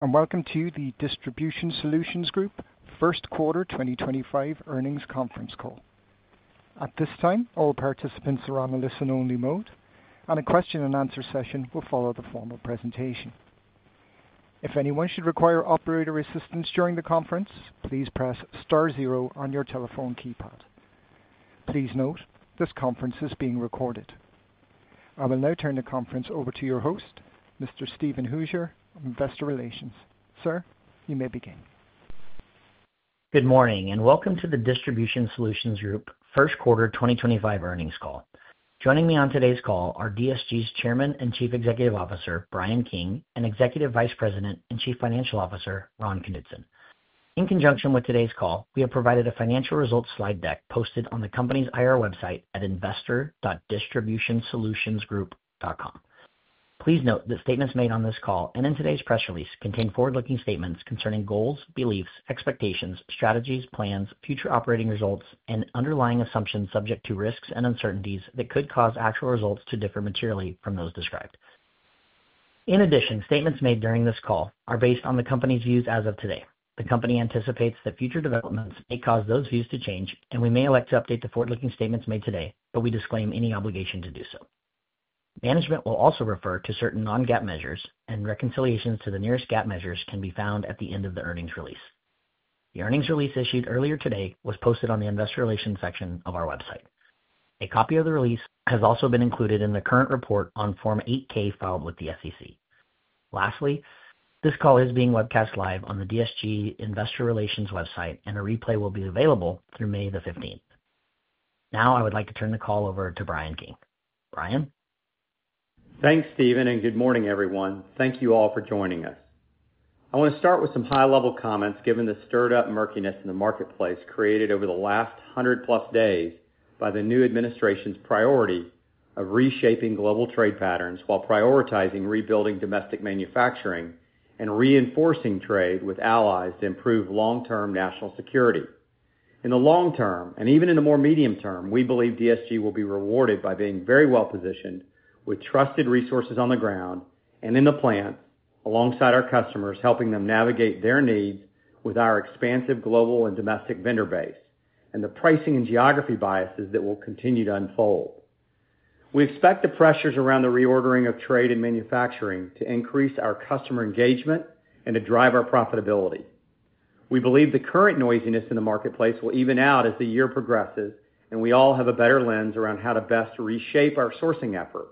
Welcome to the Distribution Solutions Group first quarter 2025 earnings conference call. At this time, all participants are on a listen-only mode, and a question-and-answer session will follow the formal presentation. If anyone should require operator assistance during the conference, please press star zero on your telephone keypad. Please note this conference is being recorded. I will now turn the conference over to your host, Mr. Steven Hooser, Investor Relations. Sir, you may begin. Good morning and welcome to the Distribution Solutions Group first quarter 2025 earnings call. Joining me on today's call are DSG's Chairman and Chief Executive Officer, Brian King, and Executive Vice President and Chief Financial Officer, Ron Knutson. In conjunction with today's call, we have provided a financial results slide deck posted on the company's IR website at investor.distributionsolutionsgroup.com. Please note that statements made on this call and in today's press release contain forward-looking statements concerning goals, beliefs, expectations, strategies, plans, future operating results, and underlying assumptions subject to risks and uncertainties that could cause actual results to differ materially from th`ose described. In addition, statements made during this call are based on the company's views as of today. The company anticipates that future developments may cause those views to change, and we may elect to update the forward-looking statements made today, but we disclaim any obligation to do so. Management will also refer to certain non-GAAP measures, and reconciliations to the nearest GAAP measures can be found at the end of the earnings release. The earnings release issued earlier today was posted on the Investor Relations section of our website. A copy of the release has also been included in the current report on Form 8K filed with the SEC. Lastly, this call is being webcast live on the DSG Investor Relations website, and a replay will be available through May the 15th. Now, I would like to turn the call over to Bryan King. Brian? Thanks, Stephen, and good morning, everyone. Thank you all for joining us. I want to start with some high-level comments given the stirred-up murkiness in the marketplace created over the last 100-plus days by the new administration's priority of reshaping global trade patterns while prioritizing rebuilding domestic manufacturing and reinforcing trade with allies to improve long-term national security. In the long term, and even in the more medium term, we believe DSG will be rewarded by being very well positioned with trusted resources on the ground and in the plants alongside our customers, helping them navigate their needs with our expansive global and domestic vendor base and the pricing and geography biases that will continue to unfold. We expect the pressures around the reordering of trade and manufacturing to increase our customer engagement and to drive our profitability. We believe the current noisiness in the marketplace will even out as the year progresses, and we all have a better lens around how to best reshape our sourcing efforts.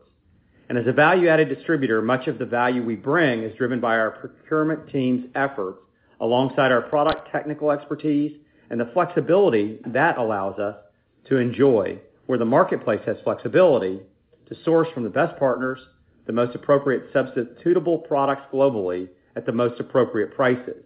As a value-added distributor, much of the value we bring is driven by our procurement team's efforts alongside our product technical expertise and the flexibility that allows us to enjoy, where the marketplace has flexibility, to source from the best partners the most appropriate substitutable products globally at the most appropriate prices.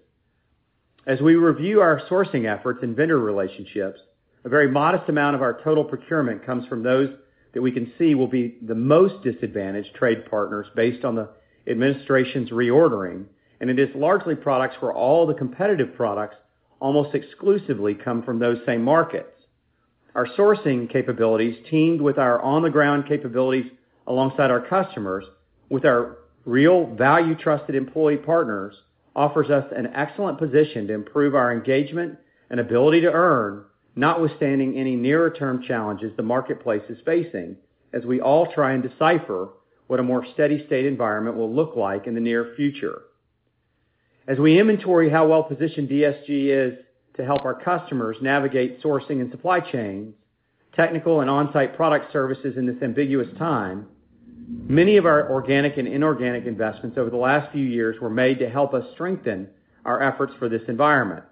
As we review our sourcing efforts and vendor relationships, a very modest amount of our total procurement comes from those that we can see will be the most disadvantaged trade partners based on the administration's reordering, and it is largely products where all the competitive products almost exclusively come from those same markets. Our sourcing capabilities, teamed with our on-the-ground capabilities alongside our customers, with our real value-trusted employee partners, offers us an excellent position to improve our engagement and ability to earn, notwithstanding any nearer-term challenges the marketplace is facing as we all try and decipher what a more steady-state environment will look like in the near future. As we inventory how well-positioned DSG is to help our customers navigate sourcing and supply chains, technical and on-site product services in this ambiguous time, many of our organic and inorganic investments over the last few years were made to help us strengthen our efforts for this environment.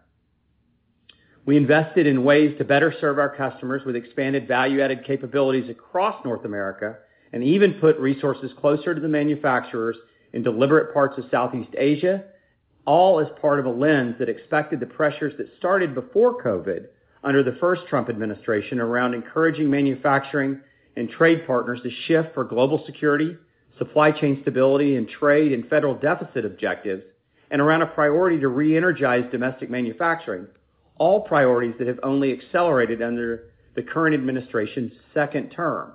We invested in ways to better serve our customers with expanded value-added capabilities across North America and even put resources closer to the manufacturers in deliberate parts of Southeast Asia, all as part of a lens that expected the pressures that started before COVID under the first Trump administration around encouraging manufacturing and trade partners to shift for global security, supply chain stability, and trade and federal deficit objectives, and around a priority to re-energize domestic manufacturing, all priorities that have only accelerated under the current administration's second term.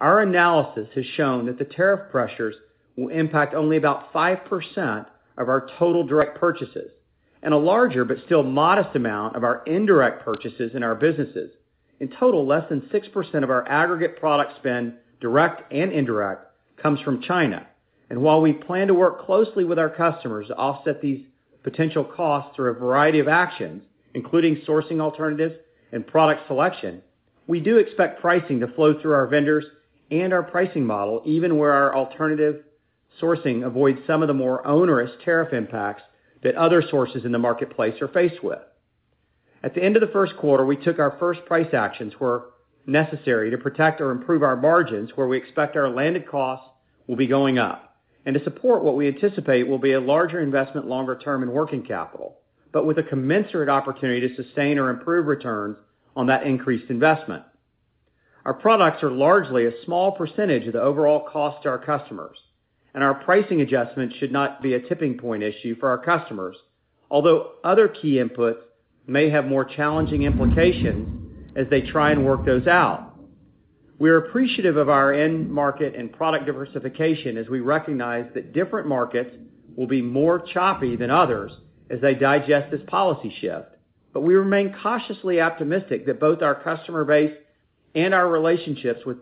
Our analysis has shown that the tariff pressures will impact only about 5% of our total direct purchases and a larger, but still modest, amount of our indirect purchases in our businesses. In total, less than 6% of our aggregate product spend, direct and indirect, comes from China. While we plan to work closely with our customers to offset these potential costs through a variety of actions, including sourcing alternatives and product selection, we do expect pricing to flow through our vendors and our pricing model, even where our alternative sourcing avoids some of the more onerous tariff impacts that other sources in the marketplace are faced with. At the end of the first quarter, we took our first price actions where necessary to protect or improve our margins where we expect our landed costs will be going up. To support what we anticipate will be a larger investment longer term in working capital, but with a commensurate opportunity to sustain or improve returns on that increased investment. Our products are largely a small percentage of the overall cost to our customers, and our pricing adjustment should not be a tipping point issue for our customers, although other key inputs may have more challenging implications as they try and work those out. We are appreciative of our end market and product diversification as we recognize that different markets will be more choppy than others as they digest this policy shift. We remain cautiously optimistic that both our customer base and our relationships with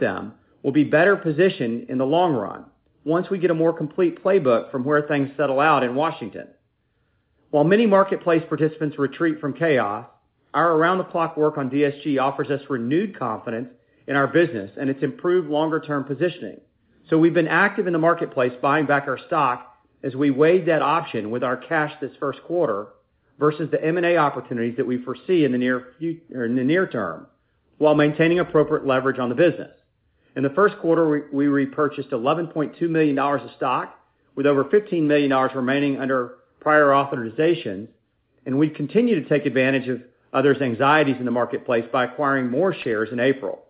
them will be better positioned in the long run once we get a more complete playbook from where things settle out in Washington. While many marketplace participants retreat from chaos, our around-the-clock work on DSG offers us renewed confidence in our business and its improved longer-term positioning. We have been active in the marketplace buying back our stock as we weighed that option with our cash this first quarter versus the M&A opportunities that we foresee in the near term while maintaining appropriate leverage on the business. In the first quarter, we repurchased $11.2 million of stock, with over $15 million remaining under prior authorizations, and we continue to take advantage of others' anxieties in the marketplace by acquiring more shares in April.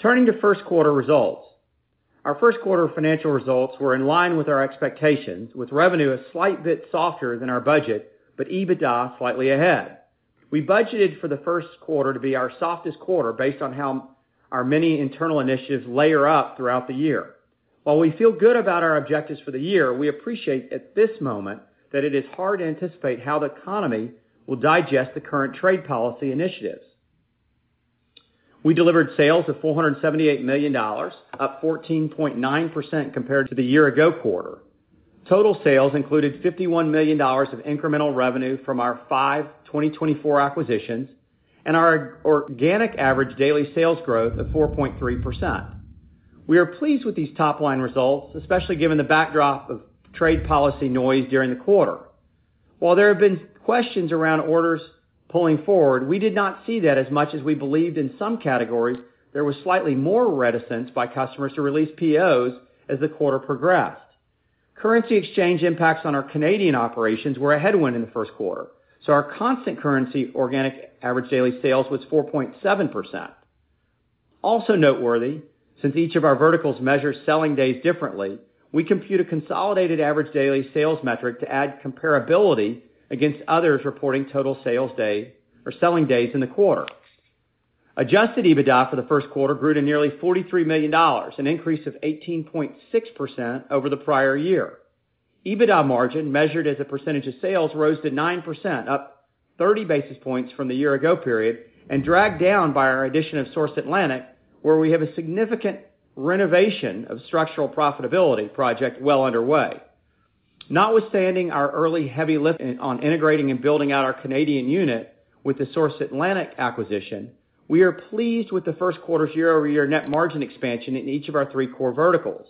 Turning to first quarter results, our first quarter financial results were in line with our expectations, with revenue a slight bit softer than our budget, but EBITDA slightly ahead. We budgeted for the first quarter to be our softest quarter based on how our many internal initiatives layer up throughout the year. While we feel good about our objectives for the year, we appreciate at this moment that it is hard to anticipate how the economy will digest the current trade policy initiatives. We delivered sales of $478 million, up 14.9% compared to the year-ago quarter. Total sales included $51 million of incremental revenue from our five 2024 acquisitions and our organic average daily sales growth of 4.3%. We are pleased with these top-line results, especially given the backdrop of trade policy noise during the quarter. While there have been questions around orders pulling forward, we did not see that as much as we believed in some categories. There was slightly more reticence by customers to release POs as the quarter progressed. Currency exchange impacts on our Canadian operations were a headwind in the first quarter, so our constant currency organic average daily sales was 4.7%. Also noteworthy, since each of our verticals measures selling days differently, we compute a consolidated average daily sales metric to add comparability against others reporting total sales day or selling days in the quarter. Adjusted EBITDA for the first quarter grew to nearly $43 million, an increase of 18.6% over the prior year. EBITDA margin, measured as a percentage of sales, rose to 9%, up 30 basis points from the year-ago period, and dragged down by our addition of Source Atlantic, where we have a significant renovation of structural profitability project well underway. Notwithstanding our early heavy lift on integrating and building out our Canadian unit with the Source Atlantic acquisition, we are pleased with the first quarter's year-over-year net margin expansion in each of our three core verticals.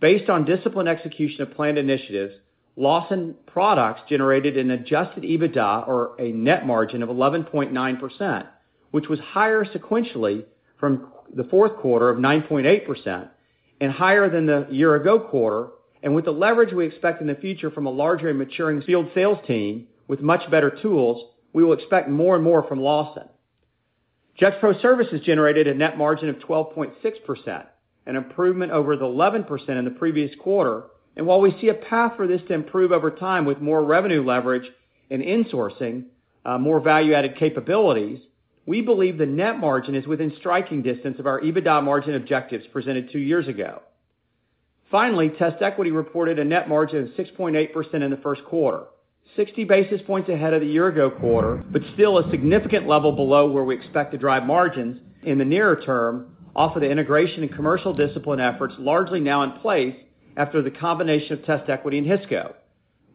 Based on disciplined execution of planned initiatives, Lawson Products generated an adjusted EBITDA or a net margin of 11.9%, which was higher sequentially from the fourth quarter of 9.8% and higher than the year-ago quarter. With the leverage we expect in the future from a larger and maturing field sales team with much better tools, we will expect more and more from Lawson. Gexpro Services generated a net margin of 12.6%, an improvement over the 11% in the previous quarter. While we see a path for this to improve over time with more revenue leverage and insourcing, more value-added capabilities, we believe the net margin is within striking distance of our EBITDA margin objectives presented two years ago. Finally, TestEquity reported a net margin of 6.8% in the first quarter, 60 basis points ahead of the year-ago quarter, but still a significant level below where we expect to drive margins in the nearer term off of the integration and commercial discipline efforts largely now in place after the combination of TestEquity and Hisco.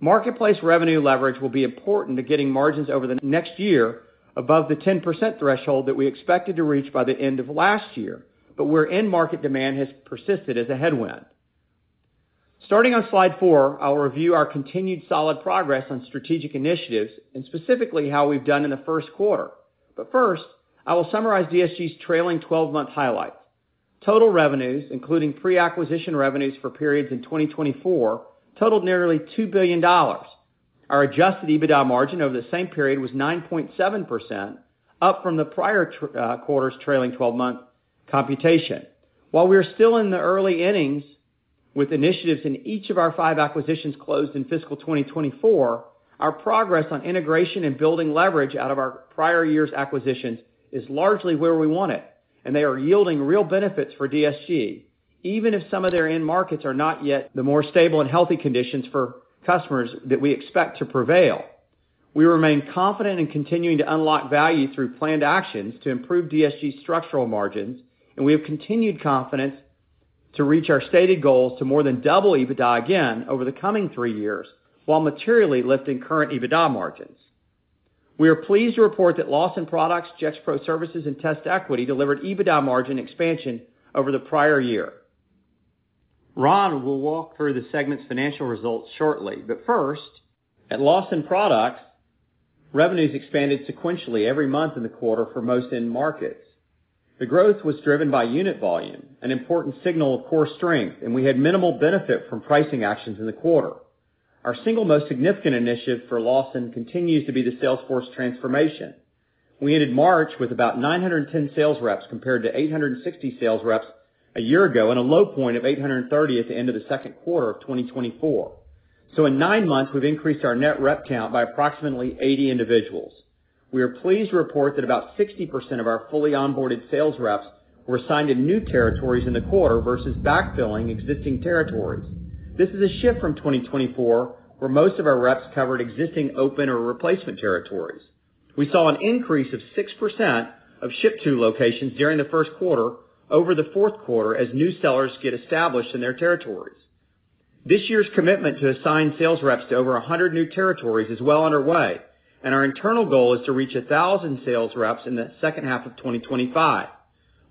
Marketplace revenue leverage will be important to getting margins over the next year above the 10% threshold that we expected to reach by the end of last year, where end market demand has persisted as a headwind. Starting on slide four, I will review our continued solid progress on strategic initiatives and specifically how we have done in the first quarter. First, I will summarize DSG's trailing 12-month highlights. Total revenues, including pre-acquisition revenues for periods in 2024, totaled nearly $2 billion. Our adjusted EBITDA margin over the same period was 9.7%, up from the prior quarter's trailing 12-month computation. While we are still in the early innings with initiatives in each of our five acquisitions closed in fiscal 2024, our progress on integration and building leverage out of our prior year's acquisitions is largely where we want it, and they are yielding real benefits for DSG, even if some of their end markets are not yet the more stable and healthy conditions for customers that we expect to prevail. We remain confident in continuing to unlock value through planned actions to improve DSG's structural margins, and we have continued confidence to reach our stated goals to more than double EBITDA again over the coming three years while materially lifting current EBITDA margins. We are pleased to report that Lawson Products, Gexpro Services, and TestEquity delivered EBITDA margin expansion over the prior year. Ron will walk through the segment's financial results shortly, but first, at Lawson Products, revenues expanded sequentially every month in the quarter for most end markets. The growth was driven by unit volume, an important signal of core strength, and we had minimal benefit from pricing actions in the quarter. Our single most significant initiative for Lawson continues to be the Salesforce transformation. We ended March with about 910 sales reps compared to 860 sales reps a year ago and a low point of 830 at the end of the second quarter of 2024. In nine months, we've increased our net rep count by approximately 80 individuals. We are pleased to report that about 60% of our fully onboarded sales reps were assigned in new territories in the quarter versus backfilling existing territories. This is a shift from 2024, where most of our reps covered existing open or replacement territories. We saw an increase of 6% of ship-to locations during the first quarter over the fourth quarter as new sellers get established in their territories. This year's commitment to assign sales reps to over 100 new territories is well underway, and our internal goal is to reach 1,000 sales reps in the second half of 2025.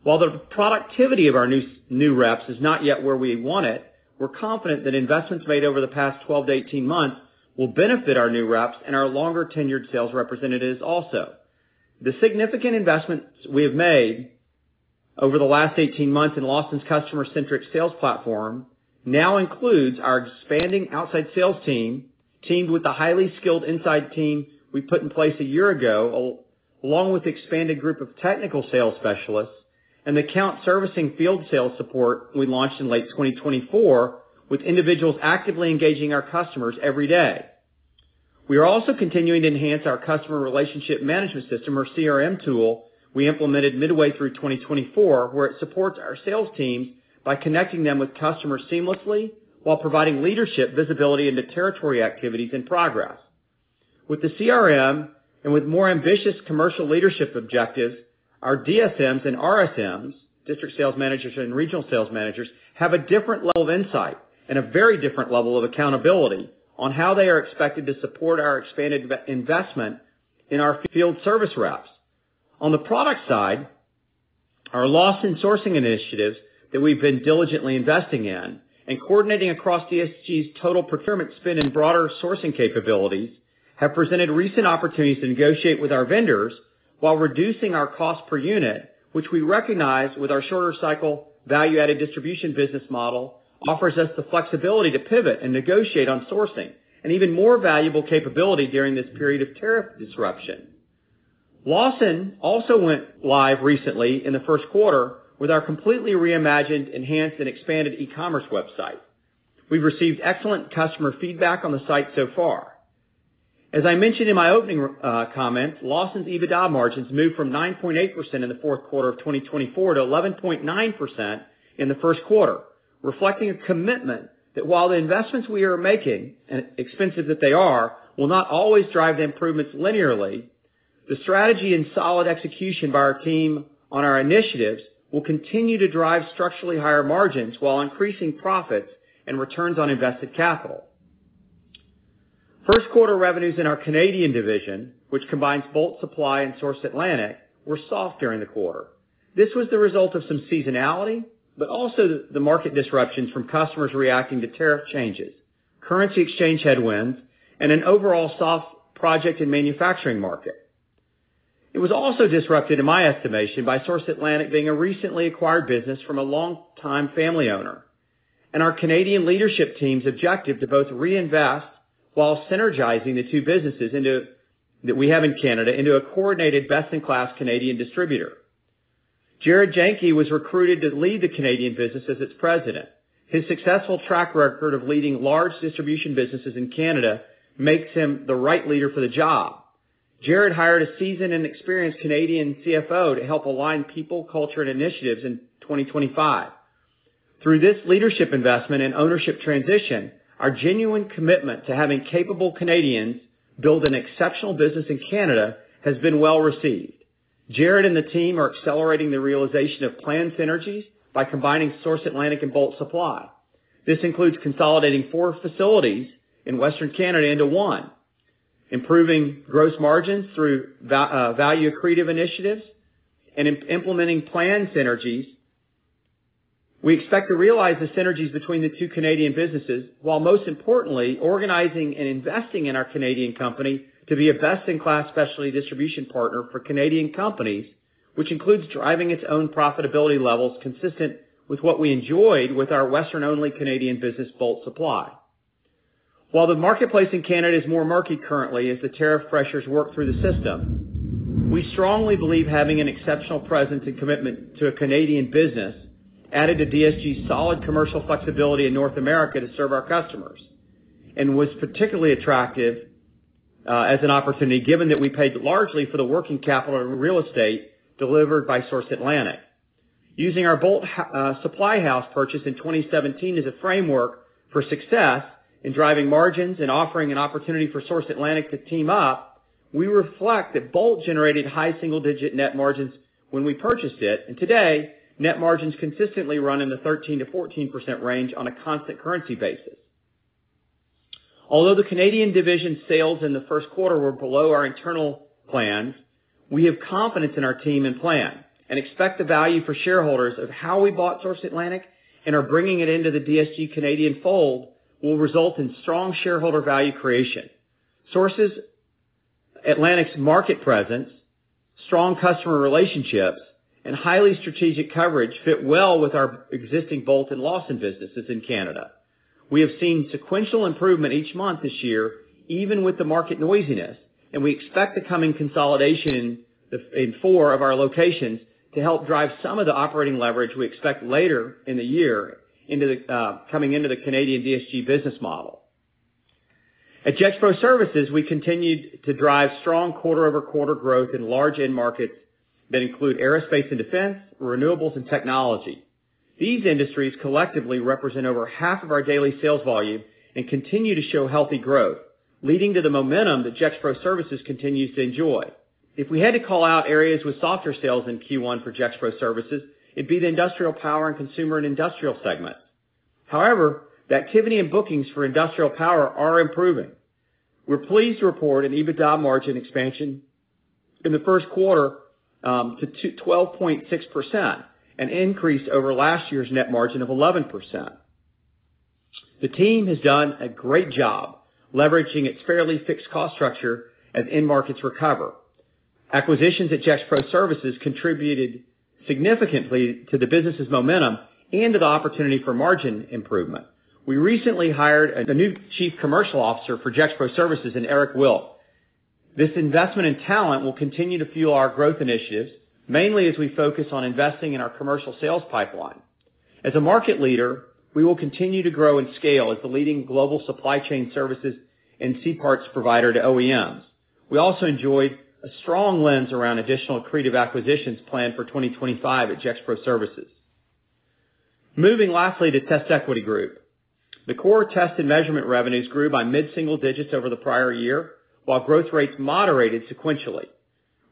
While the productivity of our new reps is not yet where we want it, we're confident that investments made over the past 12 to 18 months will benefit our new reps and our longer-tenured sales representatives also. The significant investments we have made over the last 18 months in Lawson's customer-centric sales platform now includes our expanding outside sales team teamed with the highly skilled inside team we put in place a year ago, along with an expanded group of technical sales specialists and the account servicing field sales support we launched in late 2024, with individuals actively engaging our customers every day. We are also continuing to enhance our customer relationship management system, or CRM tool, we implemented midway through 2024, where it supports our sales teams by connecting them with customers seamlessly while providing leadership visibility into territory activities and progress. With the CRM and with more ambitious commercial leadership objectives, our DSMs and RSMs, district sales managers and regional sales managers, have a different level of insight and a very different level of accountability on how they are expected to support our expanded investment in our field service reps. On the product side, our Lawson sourcing initiatives that we've been diligently investing in and coordinating across DSG's total procurement spend and broader sourcing capabilities have presented recent opportunities to negotiate with our vendors while reducing our cost per unit, which we recognize with our shorter cycle value-added distribution business model offers us the flexibility to pivot and negotiate on sourcing and even more valuable capability during this period of tariff disruption. Lawson also went live recently in the first quarter with our completely reimagined, enhanced, and expanded e-commerce website. We've received excellent customer feedback on the site so far. As I mentioned in my opening comment, Lawson's EBITDA margins moved from 9.8% in the fourth quarter of 2024 to 11.9% in the first quarter, reflecting a commitment that while the investments we are making, and expensive that they are, will not always drive the improvements linearly, the strategy and solid execution by our team on our initiatives will continue to drive structurally higher margins while increasing profits and returns on invested capital. First quarter revenues in our Canadian division, which combines Bolt Supply and Source Atlantic, were soft during the quarter. This was the result of some seasonality, but also the market disruptions from customers reacting to tariff changes, currency exchange headwinds, and an overall soft project in manufacturing market. It was also disrupted, in my estimation, by Source Atlantic being a recently acquired business from a long-time family owner, and our Canadian leadership team's objective to both reinvest while synergizing the two businesses that we have in Canada into a coordinated best-in-class Canadian distributor. Jarod Jahnke was recruited to lead the Canadian business as its President. His successful track record of leading large distribution businesses in Canada makes him the right leader for the job. Jared hired a seasoned and experienced Canadian CFO to help align people, culture, and initiatives in 2025. Through this leadership investment and ownership transition, our genuine commitment to having capable Canadians build an exceptional business in Canada has been well received. Jared and the team are accelerating the realization of planned synergies by combining Source Atlantic and Bolt Supply. This includes consolidating four facilities in Western Canada into one, improving gross margins through value-accretive initiatives, and implementing planned synergies. We expect to realize the synergies between the two Canadian businesses while, most importantly, organizing and investing in our Canadian company to be a best-in-class specialty distribution partner for Canadian companies, which includes driving its own profitability levels consistent with what we enjoyed with our Western-only Canadian business, Bolt Supply. While the marketplace in Canada is more murky currently as the tariff pressures work through the system, we strongly believe having an exceptional presence and commitment to a Canadian business added to DSG's solid commercial flexibility in North America to serve our customers and was particularly attractive as an opportunity given that we paid largely for the working capital and real estate delivered by Source Atlantic. Using our Bolt Supply House purchase in 2017 as a framework for success in driving margins and offering an opportunity for Source Atlantic to team up, we reflect that Bolt generated high single-digit net margins when we purchased it, and today, net margins consistently run in the 13-14% range on a constant currency basis. Although the Canadian division's sales in the first quarter were below our internal plans, we have confidence in our team and plan and expect the value for shareholders of how we bought Source Atlantic and are bringing it into the DSG Canadian fold will result in strong shareholder value creation. Source Atlantic's market presence, strong customer relationships, and highly strategic coverage fit well with our existing Bolt and Lawson businesses in Canada. We have seen sequential improvement each month this year, even with the market noisiness, and we expect the coming consolidation in four of our locations to help drive some of the operating leverage we expect later in the year coming into the Canadian DSG business model. At Gexpro Services, we continued to drive strong quarter-over-quarter growth in large end markets that include aerospace and defense, renewables, and technology. These industries collectively represent over half of our daily sales volume and continue to show healthy growth, leading to the momentum that Gexpro Services continues to enjoy. If we had to call out areas with softer sales in Q1 for Gexpro Services, it'd be the industrial power and consumer and industrial segments. However, the activity and bookings for industrial power are improving. We're pleased to report an EBITDA margin expansion in the first quarter to 12.6%, an increase over last year's net margin of 11%. The team has done a great job leveraging its fairly fixed cost structure as end markets recover. Acquisitions at Gexpro Services contributed significantly to the business's momentum and to the opportunity for margin improvement. We recently hired a new Chief Commercial Officer for Gexpro Services, Eric Wilk. This investment in talent will continue to fuel our growth initiatives, mainly as we focus on investing in our commercial sales pipeline. As a market leader, we will continue to grow and scale as the leading global supply chain services and C-parts provider to OEMs. We also enjoyed a strong lens around additional accretive acquisitions planned for 2025 at Gexpro Services. Moving lastly to TestEquity Group. The core test and measurement revenues grew by mid-single digits over the prior year, while growth rates moderated sequentially.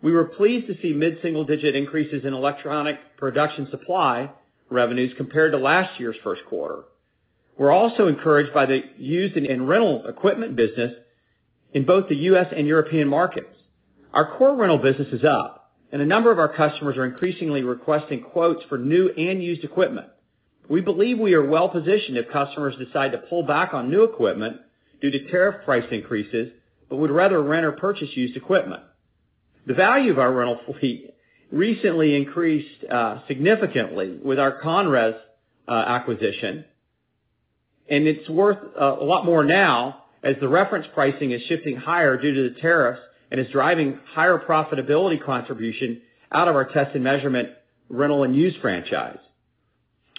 We were pleased to see mid-single digit increases in electronic production supply revenues compared to last year's first quarter. We're also encouraged by the use in rental equipment business in both the U.S. and European markets. Our core rental business is up, and a number of our customers are increasingly requesting quotes for new and used equipment. We believe we are well positioned if customers decide to pull back on new equipment due to tariff price increases, but would rather rent or purchase used equipment. The value of our rental fleet recently increased significantly with our Conres acquisition, and it's worth a lot more now as the reference pricing is shifting higher due to the tariffs and is driving higher profitability contribution out of our test and measurement rental and use franchise.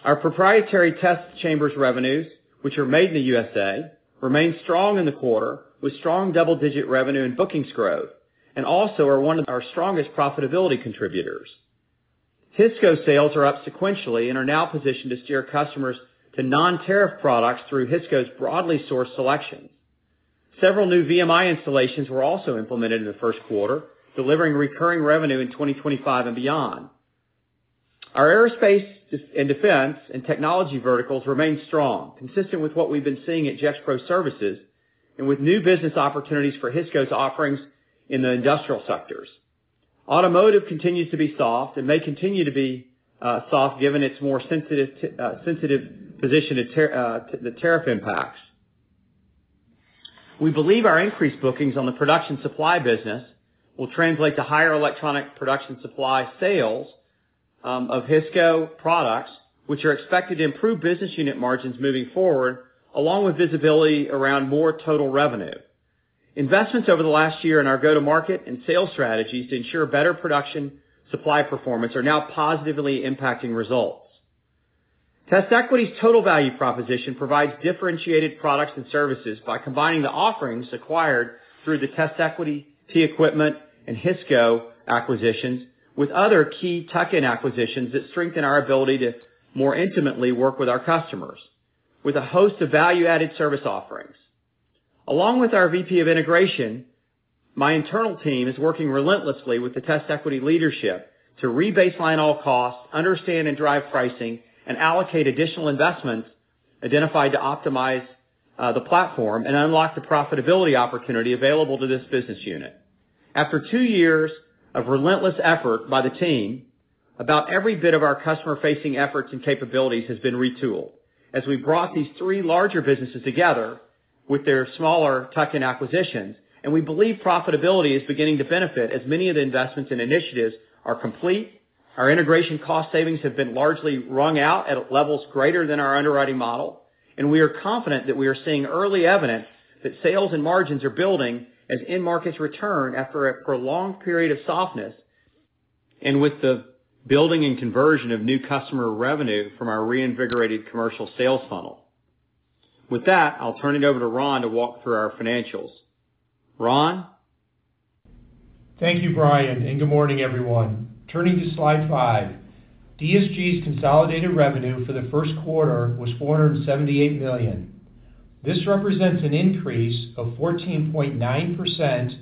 Our proprietary test chambers revenues, which are made in the U.S., remain strong in the quarter with strong double-digit revenue and bookings growth, and also are one of our strongest profitability contributors. Hisco sales are up sequentially and are now positioned to steer customers to non-tariff products through Hisco's broadly sourced selections. Several new VMI installations were also implemented in the first quarter, delivering recurring revenue in 2025 and beyond. Our aerospace and defense and technology verticals remain strong, consistent with what we've been seeing at Gexpro Services and with new business opportunities for Hisco's offerings in the industrial sectors. Automotive continues to be soft and may continue to be soft given its more sensitive position to the tariff impacts. We believe our increased bookings on the production supply business will translate to higher electronic production supply sales of Hisco products, which are expected to improve business unit margins moving forward, along with visibility around more total revenue. Investments over the last year in our go-to-market and sales strategies to ensure better production supply performance are now positively impacting results. TestEquity's total value proposition provides differentiated products and services by combining the offerings acquired through the TestEquity, TEquipment, and Hisco acquisitions with other key tuck-in acquisitions that strengthen our ability to more intimately work with our customers with a host of value-added service offerings. Along with our VP of Integration, my internal team is working relentlessly with the TestEquity leadership to re-baseline all costs, understand and drive pricing, and allocate additional investments identified to optimize the platform and unlock the profitability opportunity available to this business unit. After two years of relentless effort by the team, about every bit of our customer-facing efforts and capabilities has been retooled as we brought these three larger businesses together with their smaller tuck-in acquisitions, and we believe profitability is beginning to benefit as many of the investments and initiatives are complete. Our integration cost savings have been largely wrung out at levels greater than our underwriting model, and we are confident that we are seeing early evidence that sales and margins are building as end markets return after a prolonged period of softness and with the building and conversion of new customer revenue from our reinvigorated commercial sales funnel. With that, I'll turn it over to Ron to walk through our financials. Ron? Thank you, Brian, and good morning, everyone. Turning to slide five, DSG's consolidated revenue for the first quarter was $478 million. This represents an increase of 14.9%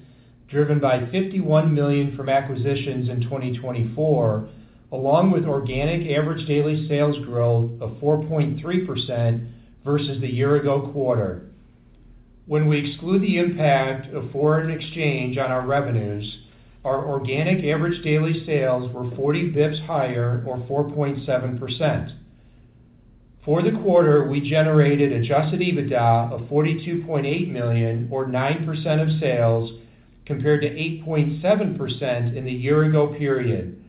driven by $51 million from acquisitions in 2024, along with organic average daily sales growth of 4.3% versus the year-ago quarter. When we exclude the impact of foreign exchange on our revenues, our organic average daily sales were 40 basis points higher, or 4.7%. For the quarter, we generated adjusted EBITDA of $42.8 million, or 9% of sales, compared to 8.7% in the year-ago period.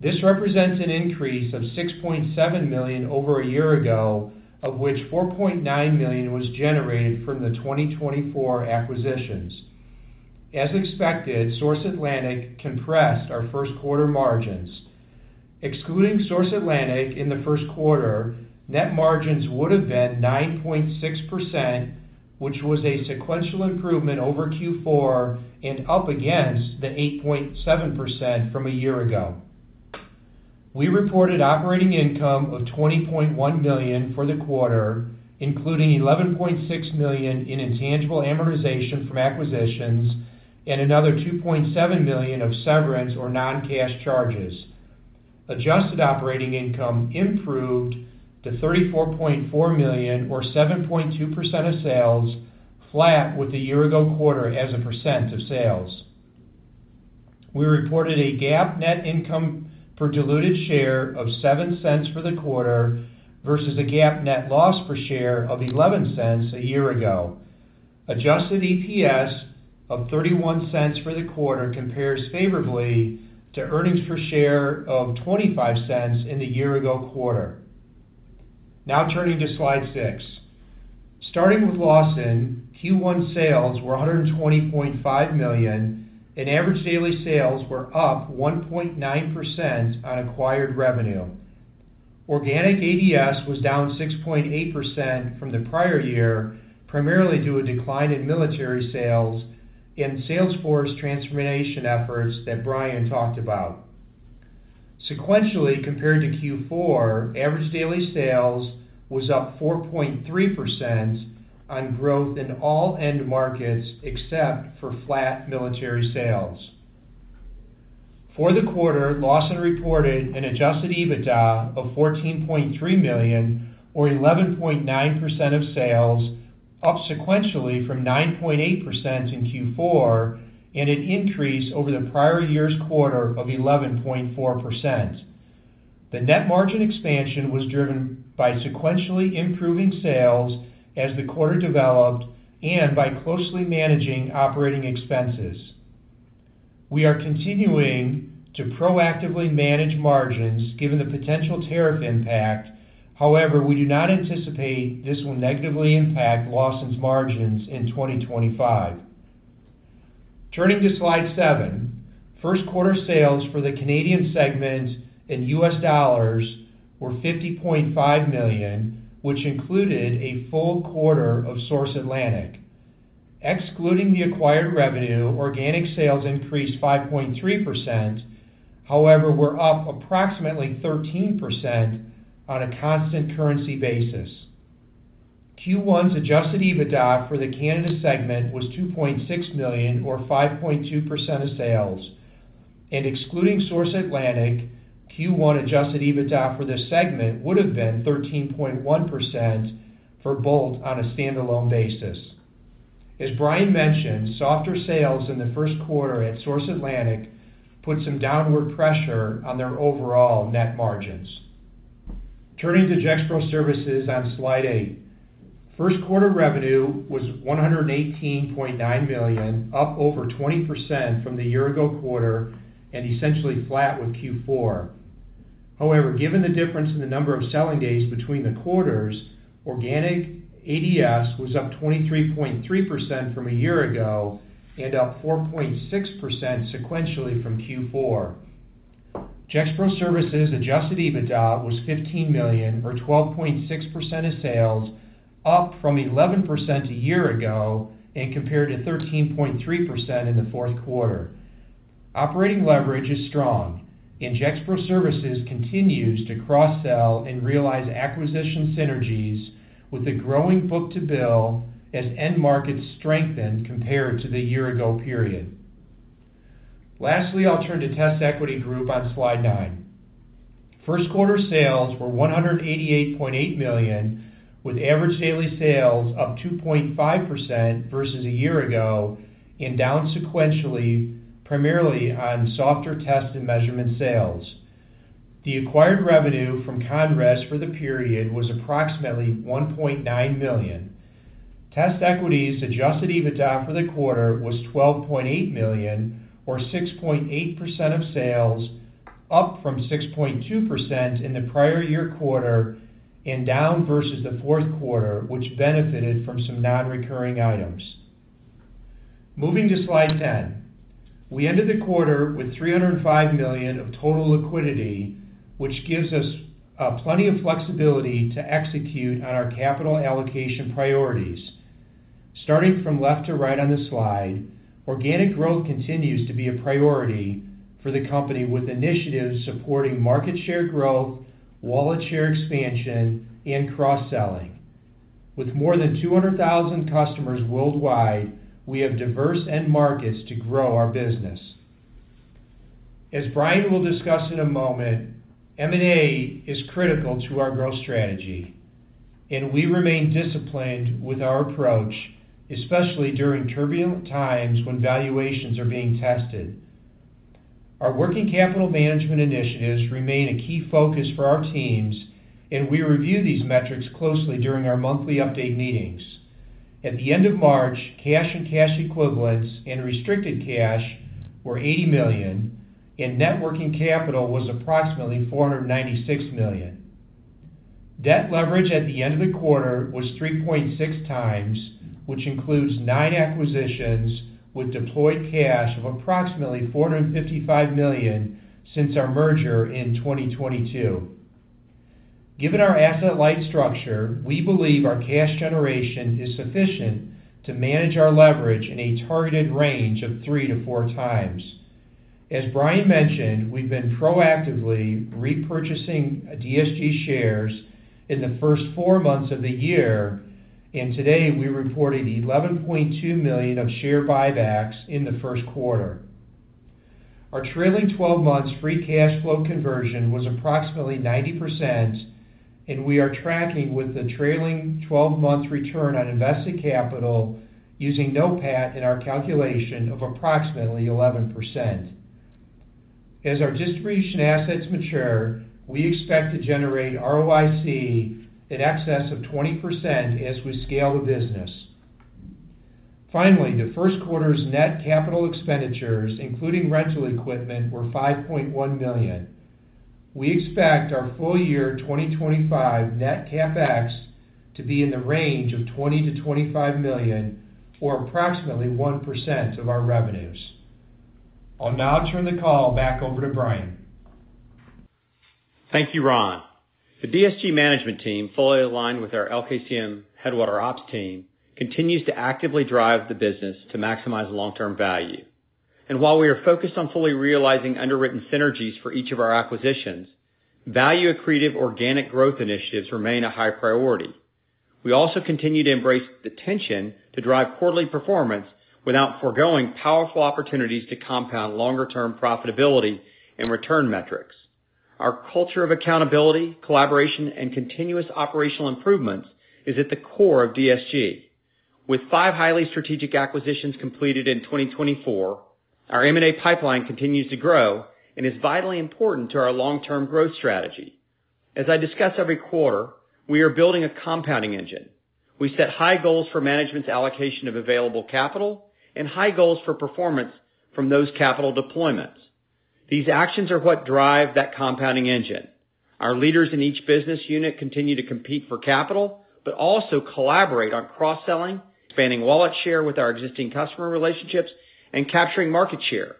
This represents an increase of $6.7 million over a year ago, of which $4.9 million was generated from the 2024 acquisitions. As expected, Source Atlantic compressed our first quarter margins. Excluding Source Atlantic in the first quarter, net margins would have been 9.6%, which was a sequential improvement over Q4 and up against the 8.7% from a year ago. We reported operating income of $20.1 million for the quarter, including $11.6 million in intangible amortization from acquisitions and another $2.7 million of severance or non-cash charges. Adjusted operating income improved to $34.4 million, or 7.2% of sales, flat with the year-ago quarter as a percent of sales. We reported a GAAP net income per diluted share of $0.07 for the quarter versus a GAAP net loss per share of $0.11 a year ago. Adjusted EPS of $0.31 for the quarter compares favorably to earnings per share of $0.25 in the year-ago quarter. Now turning to slide six. Starting with Lawson, Q1 sales were $120.5 million, and average daily sales were up 1.9% on acquired revenue. Organic ADS was down 6.8% from the prior year, primarily due to a decline in military sales and Salesforce transformation efforts that Brian talked about. Sequentially, compared to Q4, average daily sales was up 4.3% on growth in all end markets except for flat military sales. For the quarter, Lawson reported an adjusted EBITDA of $14.3 million, or 11.9% of sales, up sequentially from $9.8 million in Q4 and an increase over the prior year's quarter of 11.4%. The net margin expansion was driven by sequentially improving sales as the quarter developed and by closely managing operating expenses. We are continuing to proactively manage margins given the potential tariff impact; however, we do not anticipate this will negatively impact Lawson's margins in 2025. Turning to slide seven, first quarter sales for the Canadian segment in US dollars were $50.5 million, which included a full quarter of Source Atlantic. Excluding the acquired revenue, organic sales increased 5.3%; however, we are up approximately 13% on a constant currency basis. Q1's adjusted EBITDA for the Canada segment was $2.6 million, or 5.2% of sales, and excluding Source Atlantic, Q1 adjusted EBITDA for this segment would have been 13.1% for Bolt Supply on a standalone basis. As Brian mentioned, softer sales in the first quarter at Source Atlantic put some downward pressure on their overall net margins. Turning to Gexpro Services on slide eight, first quarter revenue was $118.9 million, up over 20% from the year-ago quarter and essentially flat with Q4. However, given the difference in the number of selling days between the quarters, organic ADS was up 23.3% from a year ago and up 4.6% sequentially from Q4. Gexpro Services' adjusted EBITDA was $15 million, or 12.6% of sales, up from 11% a year ago and compared to 13.3% in the fourth quarter. Operating leverage is strong, and Gexpro Services continues to cross-sell and realize acquisition synergies with the growing book-to-bill as end markets strengthen compared to the year-ago period. Lastly, I'll turn to TestEquity Group on slide nine. First quarter sales were $188.8 million, with average daily sales up 2.5% versus a year ago and down sequentially primarily on softer test and measurement sales. The acquired revenue from Conres for the period was approximately $1.9 million. TestEquity's adjusted EBITDA for the quarter was $12.8 million, or 6.8% of sales, up from 6.2% in the prior year quarter and down versus the fourth quarter, which benefited from some non-recurring items. Moving to slide ten, we ended the quarter with $305 million of total liquidity, which gives us plenty of flexibility to execute on our capital allocation priorities. Starting from left to right on the slide, organic growth continues to be a priority for the company with initiatives supporting market share growth, wallet share expansion, and cross-selling. With more than 200,000 customers worldwide, we have diverse end markets to grow our business. As Brian will discuss in a moment, M&A is critical to our growth strategy, and we remain disciplined with our approach, especially during turbulent times when valuations are being tested. Our working capital management initiatives remain a key focus for our teams, and we review these metrics closely during our monthly update meetings. At the end of March, cash and cash equivalents and restricted cash were $80 million, and net working capital was approximately $496 million. Debt leverage at the end of the quarter was 3.6x, which includes nine acquisitions with deployed cash of approximately $455 million since our merger in 2022. Given our asset light structure, we believe our cash generation is sufficient to manage our leverage in a targeted range of 3-4x. As Brian mentioned, we've been proactively repurchasing DSG shares in the first four months of the year, and today we reported $11.2 million of share buybacks in the first quarter. Our trailing 12-month free cash flow conversion was approximately 90%, and we are tracking with the trailing 12-month return on invested capital using NOPAT in our calculation of approximately 11%. As our distribution assets mature, we expect to generate ROIC in excess of 20% as we scale the business. Finally, the first quarter's net capital expenditures, including rental equipment, were $5.1 million. We expect our full year 2025 net capex to be in the range of $20million-$25 million, or approximately 1% of our revenues. I'll now turn the call back over to Brian. Thank you, Ron. The DSG management team, fully aligned with our LKCM Headwater Ops team, continues to actively drive the business to maximize long-term value. While we are focused on fully realizing underwritten synergies for each of our acquisitions, value-accretive organic growth initiatives remain a high priority. We also continue to embrace the tension to drive quarterly performance without forgoing powerful opportunities to compound longer-term profitability and return metrics. Our culture of accountability, collaboration, and continuous operational improvements is at the core of DSG. With five highly strategic acquisitions completed in 2024, our M&A pipeline continues to grow and is vitally important to our long-term growth strategy. As I discuss every quarter, we are building a compounding engine. We set high goals for management's allocation of available capital and high goals for performance from those capital deployments. These actions are what drive that compounding engine. Our leaders in each business unit continue to compete for capital, but also collaborate on cross-selling, expanding wallet share with our existing customer relationships, and capturing market share.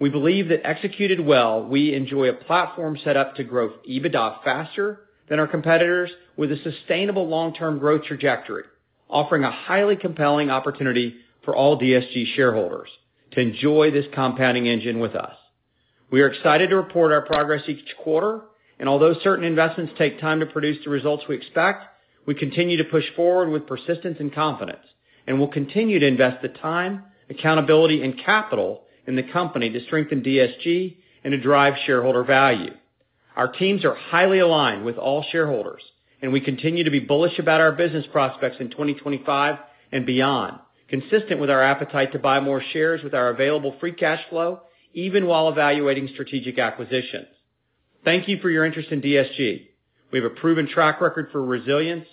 We believe that executed well, we enjoy a platform set up to grow EBITDA faster than our competitors with a sustainable long-term growth trajectory, offering a highly compelling opportunity for all DSG shareholders to enjoy this compounding engine with us. We are excited to report our progress each quarter, and although certain investments take time to produce the results we expect, we continue to push forward with persistence and confidence, and we'll continue to invest the time, accountability, and capital in the company to strengthen DSG and to drive shareholder value. Our teams are highly aligned with all shareholders, and we continue to be bullish about our business prospects in 2025 and beyond, consistent with our appetite to buy more shares with our available free cash flow, even while evaluating strategic acquisitions. Thank you for your interest in DSG. We have a proven track record for resilience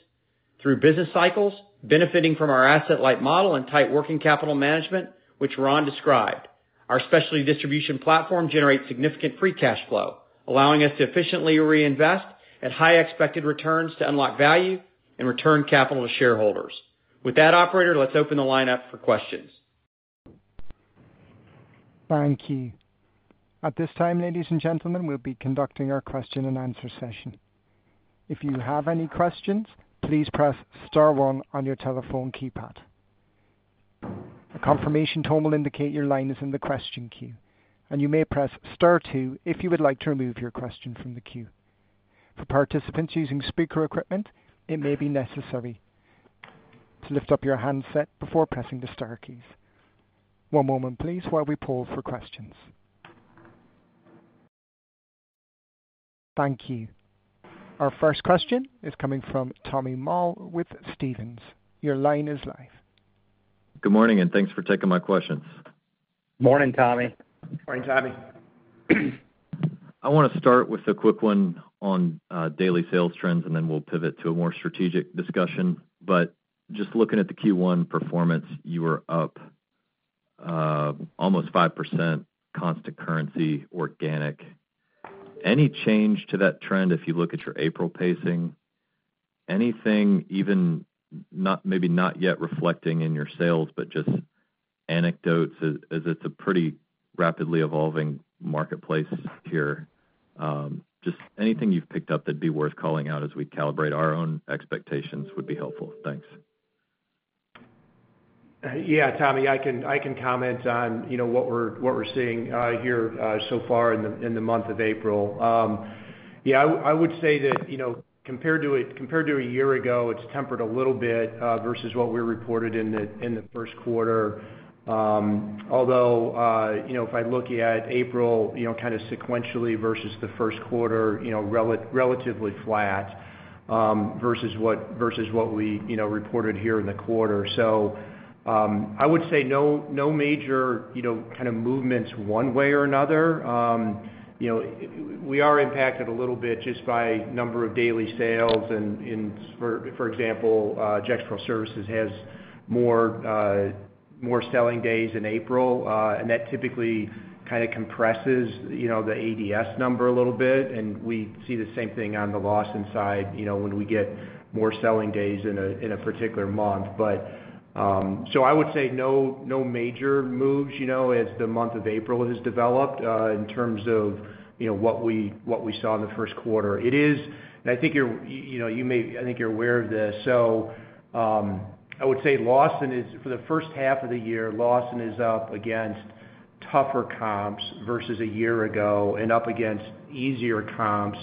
through business cycles, benefiting from our asset light model and tight working capital management, which Ron described. Our specialty distribution platform generates significant free cash flow, allowing us to efficiently reinvest at high expected returns to unlock value and return capital to shareholders. With that, operator, let's open the line up for questions. Thank you. At this time, ladies and gentlemen, we'll be conducting our question and answer session. If you have any questions, please press STAR 1 on your telephone keypad. A confirmation tone will indicate your line is in the question queue, and you may press STAR 2 if you would like to remove your question from the queue. For participants using speaker equipment, it may be necessary to lift up your handset before pressing the STAR keys. One moment, please, while we poll for questions. Thank you. Our first question is coming from Tommy Moll with Stephens. Your line is live. Good morning, and thanks for taking my questions. Morning, Tommy. Morning, Tommy. I want to start with a quick one on daily sales trends, and then we'll pivot to a more strategic discussion. Just looking at the Q1 performance, you were up almost 5% constant currency, organic. Any change to that trend if you look at your April pacing? Anything even maybe not yet reflecting in your sales, but just anecdotes as it's a pretty rapidly evolving marketplace here? Just anything you've picked up that'd be worth calling out as we calibrate our own expectations would be helpful. Thanks. Yeah, Tommy, I can comment on what we're seeing here so far in the month of April. Yeah, I would say that compared to a year ago, it's tempered a little bit versus what we reported in the first quarter. Although if I look at April kind of sequentially versus the first quarter, relatively flat versus what we reported here in the quarter. I would say no major kind of movements one way or another. We are impacted a little bit just by number of daily sales. For example, Gexpro Services has more selling days in April, and that typically kind of compresses the ADS number a little bit. We see the same thing on the Lawson side when we get more selling days in a particular month. I would say no major moves as the month of April has developed in terms of what we saw in the first quarter. It is, and I think you may, I think you're aware of this. I would say Lawson is, for the first half of the year, Lawson is up against tougher comps versus a year ago and up against easier comps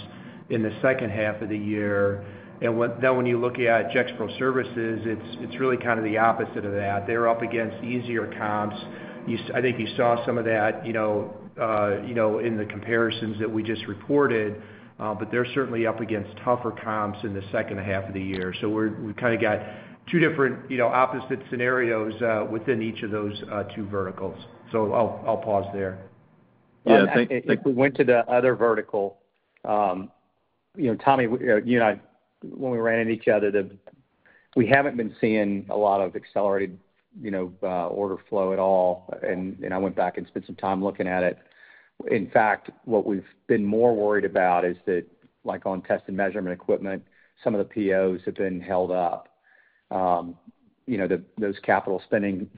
in the second half of the year. When you look at Gexpro Services, it's really kind of the opposite of that. They're up against easier comps. I think you saw some of that in the comparisons that we just reported, but they're certainly up against tougher comps in the second half of the year. We have kind of got two different opposite scenarios within each of those two verticals. I'll pause there. Yeah, I think we went to the other vertical. Tommy, you and I, when we ran into each other, we haven't been seeing a lot of accelerated order flow at all. I went back and spent some time looking at it. In fact, what we've been more worried about is that, like on test and measurement equipment, some of the POs have been held up. Those capital spending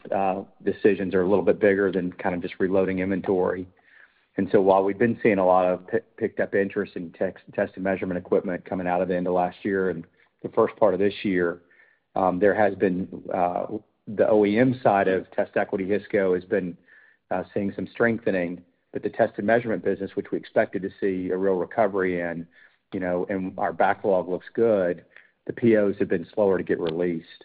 decisions are a little bit bigger than kind of just reloading inventory. While we've been seeing a lot of picked-up interest in test and measurement equipment coming out of the end of last year and the first part of this year, there has been the OEM side of TestEquity Hisco has been seeing some strengthening. The test and measurement business, which we expected to see a real recovery in, and our backlog looks good, the POs have been slower to get released.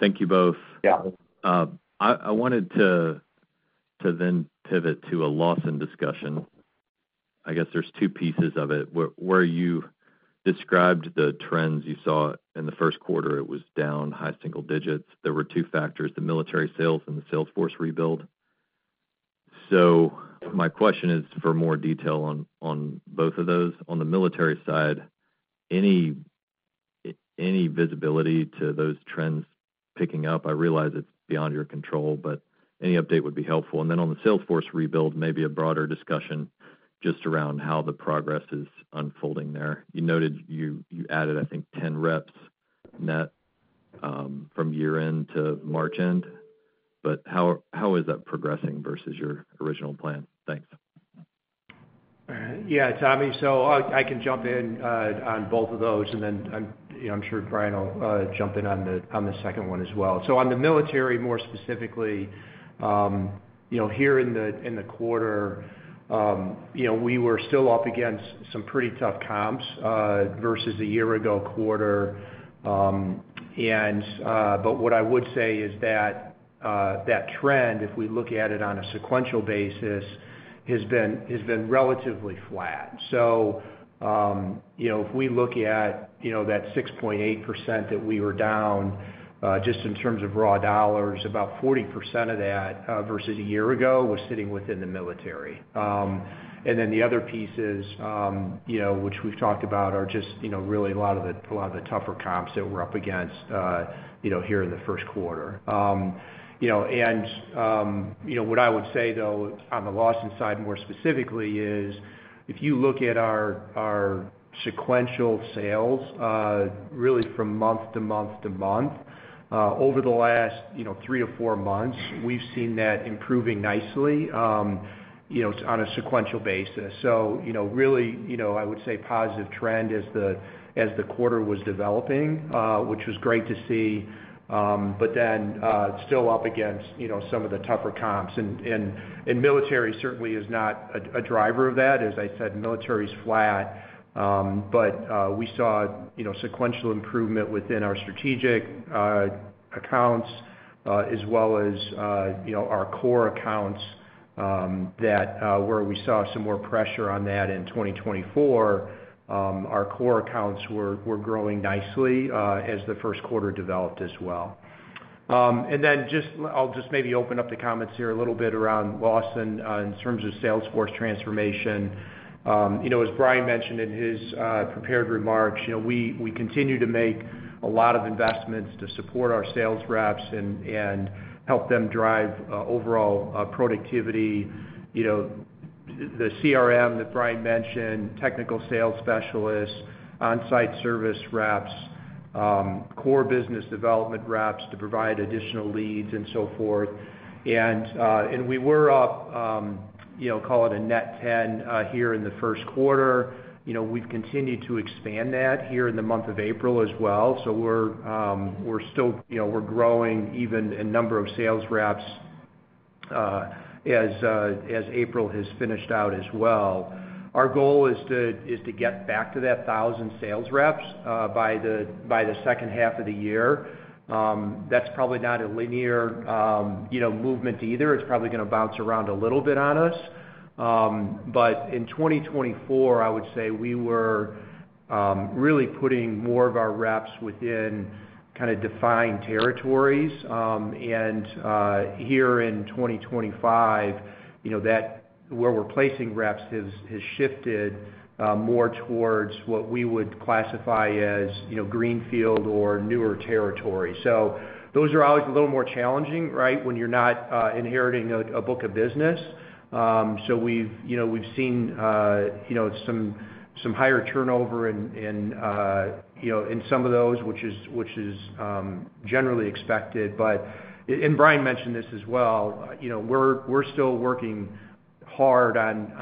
Thank you both. I wanted to then pivot to a Lawson discussion. I guess there are two pieces of it where you described the trends you saw in the first quarter. It was down, high single digits. There were two factors, the military sales and the Salesforce rebuild. My question is for more detail on both of those. On the military side, any visibility to those trends picking up? I realize it is beyond your control, but any update would be helpful. On the Salesforce rebuild, maybe a broader discussion just around how the progress is unfolding there. You added, I think, 10 reps net from year-end to March-end. How is that progressing versus your original plan? Thanks. All right. Yeah, Tommy, I can jump in on both of those. I am sure Brian will jump in on the second one as well. On the military, more specifically, here in the quarter, we were still up against some pretty tough comps versus a year-ago quarter. What I would say is that that trend, if we look at it on a sequential basis, has been relatively flat. If we look at that 6.8% that we were down just in terms of raw dollars, about 40% of that versus a year ago was sitting within the military. The other pieces, which we've talked about, are just really a lot of the tougher comps that we're up against here in the first quarter. What I would say, though, on the Lawson side, more specifically, is if you look at our sequential sales, really from month to month to month, over the last three to four months, we've seen that improving nicely on a sequential basis. I would say positive trend as the quarter was developing, which was great to see. Still up against some of the tougher comps. Military certainly is not a driver of that. As I said, military is flat. We saw sequential improvement within our strategic accounts as well as our core accounts where we saw some more pressure on that in 2024. Our core accounts were growing nicely as the first quarter developed as well. I'll just maybe open up the comments here a little bit around Lawson in terms of Salesforce transformation. As Brian mentioned in his prepared remarks, we continue to make a lot of investments to support our sales reps and help them drive overall productivity. The CRM that Brian mentioned, technical sales specialists, on-site service reps, core business development reps to provide additional leads and so forth. We were up, call it a net 10 here in the first quarter. We have continued to expand that here in the month of April as well. We are still growing even in number of sales reps as April has finished out as well. Our goal is to get back to that 1,000 sales reps by the second half of the year. That is probably not a linear movement either. It is probably going to bounce around a little bit on us. In 2024, I would say we were really putting more of our reps within kind of defined territories. Here in 2025, where we are placing reps has shifted more towards what we would classify as greenfield or newer territory. Those are always a little more challenging, right, when you are not inheriting a book of business. We have seen some higher turnover in some of those, which is generally expected. Brian mentioned this as well. We are still working hard on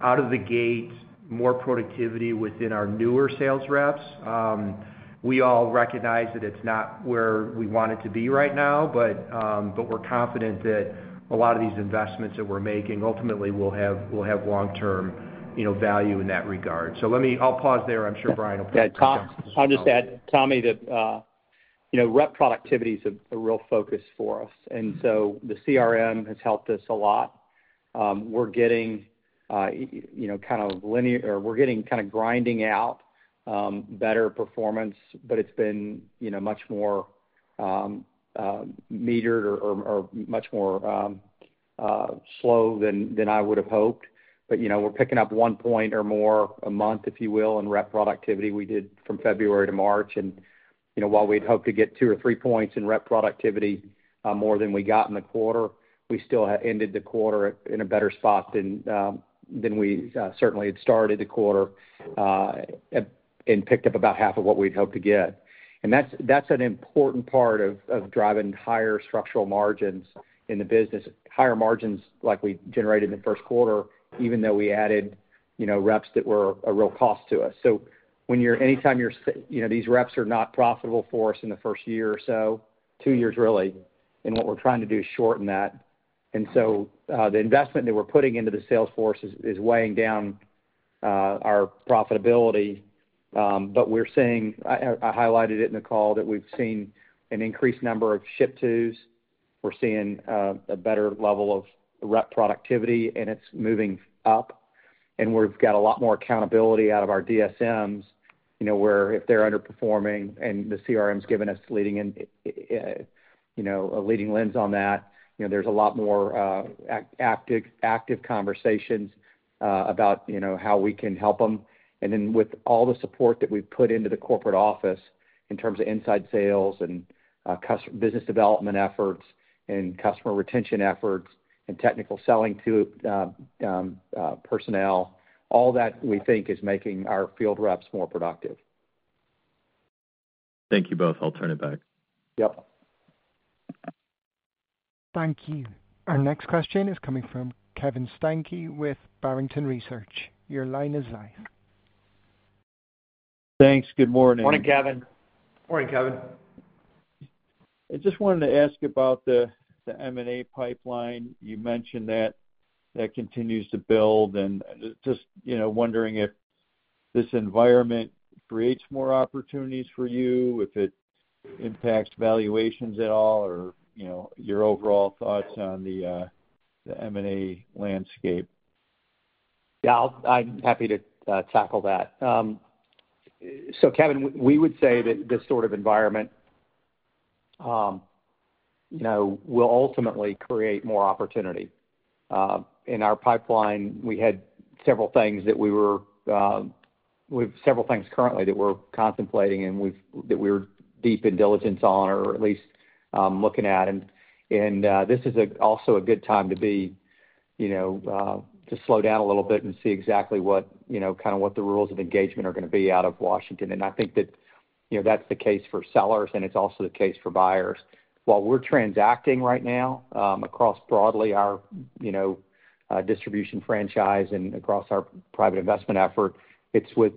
out-of-the-gate, more productivity within our newer sales reps. We all recognize that it is not where we want it to be right now, but we are confident that a lot of these investments that we are making ultimately will have long-term value in that regard. I will pause there. I am sure Brian will pick up. I will just add, Tommy, that rep productivity is a real focus for us. The CRM has helped us a lot. We are getting kind of linear or we are getting kind of grinding out better performance, but it has been much more metered or much more slow than I would have hoped. We are picking up one point or more a month, if you will, in rep productivity. We did from February to March. While we'd hoped to get two or three points in rep productivity more than we got in the quarter, we still ended the quarter in a better spot than we certainly had started the quarter and picked up about half of what we'd hoped to get. That's an important part of driving higher structural margins in the business, higher margins like we generated in the first quarter, even though we added reps that were a real cost to us. Anytime these reps are not profitable for us in the first year or so, two years really, and what we're trying to do is shorten that. The investment that we're putting into the Salesforce is weighing down our profitability. I highlighted it in the call that we've seen an increased number of ship twos. We're seeing a better level of rep productivity, and it's moving up. We've got a lot more accountability out of our DSMs where if they're underperforming and the CRM's given us a leading lens on that, there's a lot more active conversations about how we can help them. With all the support that we've put into the corporate office in terms of inside sales and business development efforts and customer retention efforts and technical selling to personnel, all that we think is making our field reps more productive. Thank you both. I'll turn it back. Yep. Thank you. Our next question is coming from Kevin Steinke with Barrington Research. Your line is live. Thanks. Good morning. Morning, Kevin. Morning, Kevin. I just wanted to ask about the M&A pipeline. You mentioned that that continues to build. Just wondering if this environment creates more opportunities for you, if it impacts valuations at all, or your overall thoughts on the M&A landscape. Yeah, I'm happy to tackle that. Kevin, we would say that this sort of environment will ultimately create more opportunity. In our pipeline, we have several things currently that we're contemplating and that we're deep in diligence on or at least looking at. This is also a good time to slow down a little bit and see exactly kind of what the rules of engagement are going to be out of Washington. I think that that's the case for sellers, and it's also the case for buyers. While we're transacting right now across broadly our distribution franchise and across our private investment effort, it's with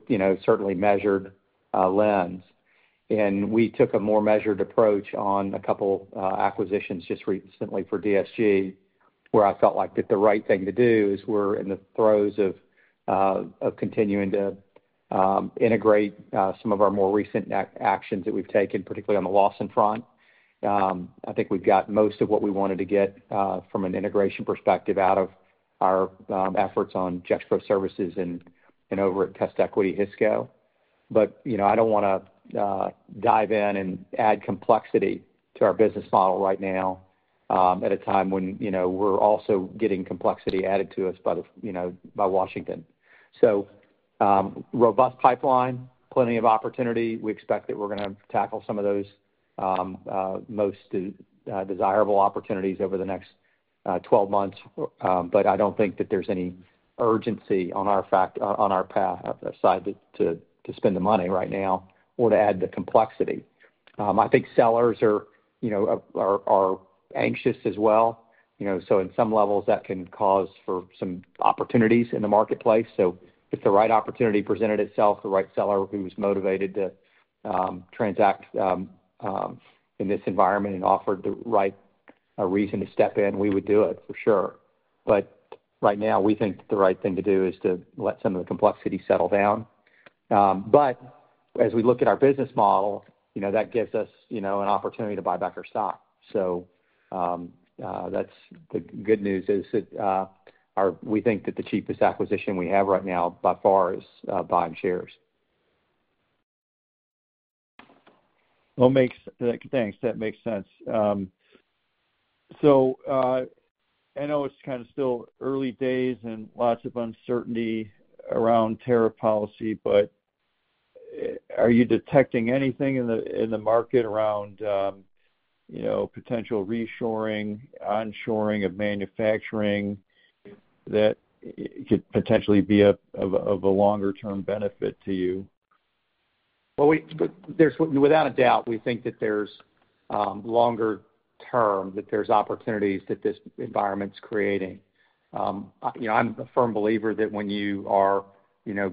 certainly measured lens. We took a more measured approach on a couple of acquisitions just recently for DSG where I felt like that the right thing to do is we're in the throes of continuing to integrate some of our more recent actions that we've taken, particularly on the Lawson front. I think we've got most of what we wanted to get from an integration perspective out of our efforts on Gexpro Services and over at TestEquity Hisco. I do not want to dive in and add complexity to our business model right now at a time when we're also getting complexity added to us by Washington. Robust pipeline, plenty of opportunity. We expect that we're going to tackle some of those most desirable opportunities over the next 12 months. I do not think that there is any urgency on our side to spend the money right now or to add the complexity. I think sellers are anxious as well. In some levels, that can cause for some opportunities in the marketplace. If the right opportunity presented itself, the right seller who was motivated to transact in this environment and offered the right reason to step in, we would do it for sure. Right now, we think the right thing to do is to let some of the complexity settle down. As we look at our business model, that gives us an opportunity to buy back our stock. The good news is that we think that the cheapest acquisition we have right now by far is buying shares. Thanks. That makes sense. I know it's kind of still early days and lots of uncertainty around tariff policy, but are you detecting anything in the market around potential reshoring, onshoring of manufacturing that could potentially be of a longer-term benefit to you? Without a doubt, we think that there's longer-term that there's opportunities that this environment's creating. I'm a firm believer that when you are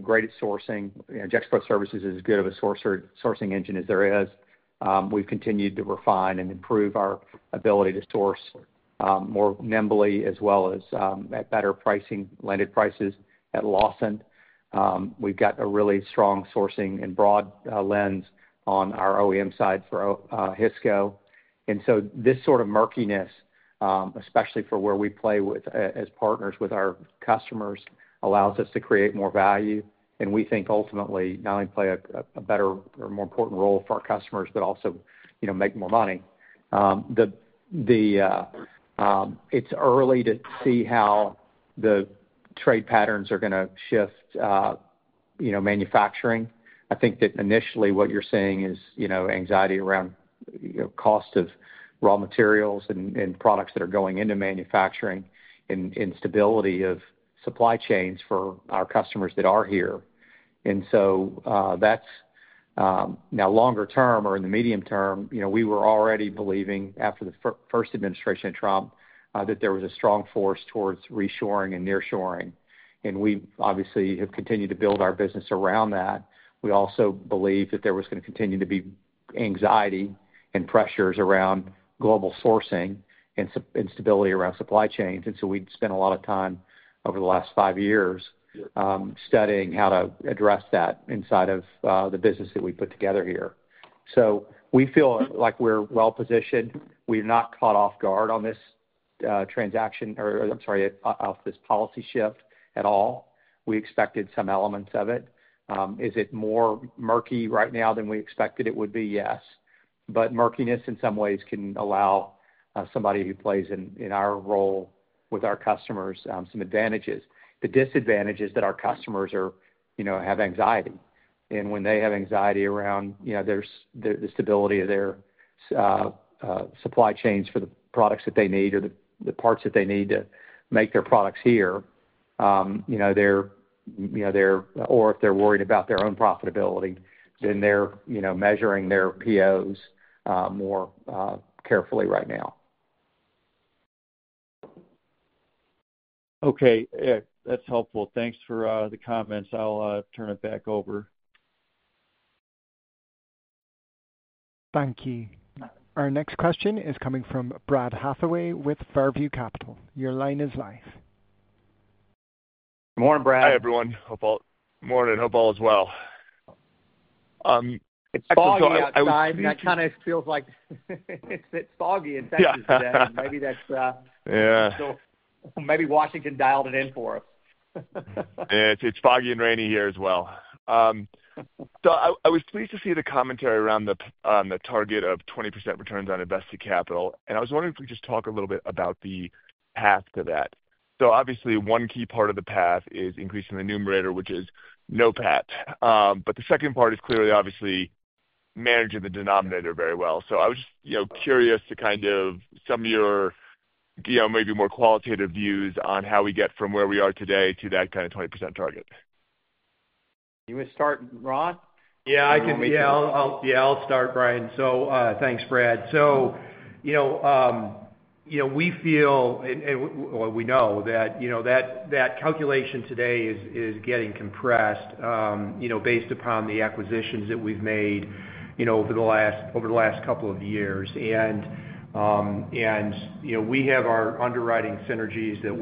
great at sourcing, Gexpro Services is as good of a sourcing engine as there is. We've continued to refine and improve our ability to source more nimbly as well as at better pricing, landed prices at Lawson. We've got a really strong sourcing and broad lens on our OEM side for Hisco. This sort of murkiness, especially for where we play as partners with our customers, allows us to create more value. We think ultimately not only play a better or more important role for our customers, but also make more money. It's early to see how the trade patterns are going to shift manufacturing. I think that initially what you're seeing is anxiety around cost of raw materials and products that are going into manufacturing and stability of supply chains for our customers that are here. That's now longer-term or in the medium-term. We were already believing after the first administration of Trump that there was a strong force towards reshoring and nearshoring. We obviously have continued to build our business around that. We also believe that there was going to continue to be anxiety and pressures around global sourcing and stability around supply chains. We'd spent a lot of time over the last five years studying how to address that inside of the business that we put together here. We feel like we're well-positioned. We're not caught off guard on this transaction or, I'm sorry, off this policy shift at all. We expected some elements of it. Is it more murky right now than we expected it would be? Yes. Murkiness in some ways can allow somebody who plays in our role with our customers some advantages. The disadvantage is that our customers have anxiety. When they have anxiety around the stability of their supply chains for the products that they need or the parts that they need to make their products here, or if they're worried about their own profitability, then they're measuring their POs more carefully right now. Okay. That's helpful. Thanks for the comments. I'll turn it back over. Thank you. Our next question is coming from Brad Hathaway with Far View Capital. Your line is live. Good morning, Brad. Hi, everyone. Good morning. Hope all is well. Excellent. I mean, it kind of feels like it's foggy. It's actually damp. Maybe that's still maybe Washington dialed it in for us. It's foggy and rainy here as well. I was pleased to see the commentary around the target of 20% returns on invested capital. I was wondering if we could just talk a little bit about the path to that. Obviously, one key part of the path is increasing the numerator, which is NOPAT. The second part is clearly, obviously, managing the denominator very well. I was just curious to kind of some of your maybe more qualitative views on how we get from where we are today to that kind of 20% target. You want to start, Ron? Yeah. I'll start, Brian. Thanks, Brad. We feel and we know that that calculation today is getting compressed based upon the acquisitions that we've made over the last couple of years. We have our underwriting synergies that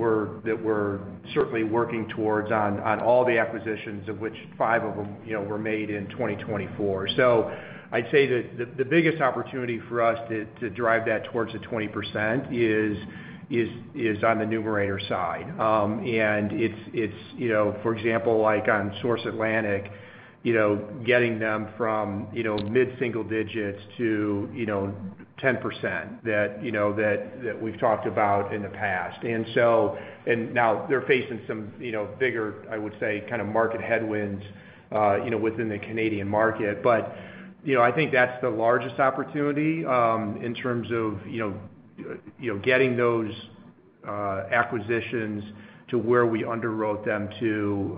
we're certainly working towards on all the acquisitions, of which five of them were made in 2024. I'd say that the biggest opportunity for us to drive that towards the 20% is on the numerator side. It's, for example, like on Source Atlantic, getting them from mid-single digits to 10% that we've talked about in the past. They are now facing some bigger, I would say, kind of market headwinds within the Canadian market. I think that's the largest opportunity in terms of getting those acquisitions to where we underwrote them to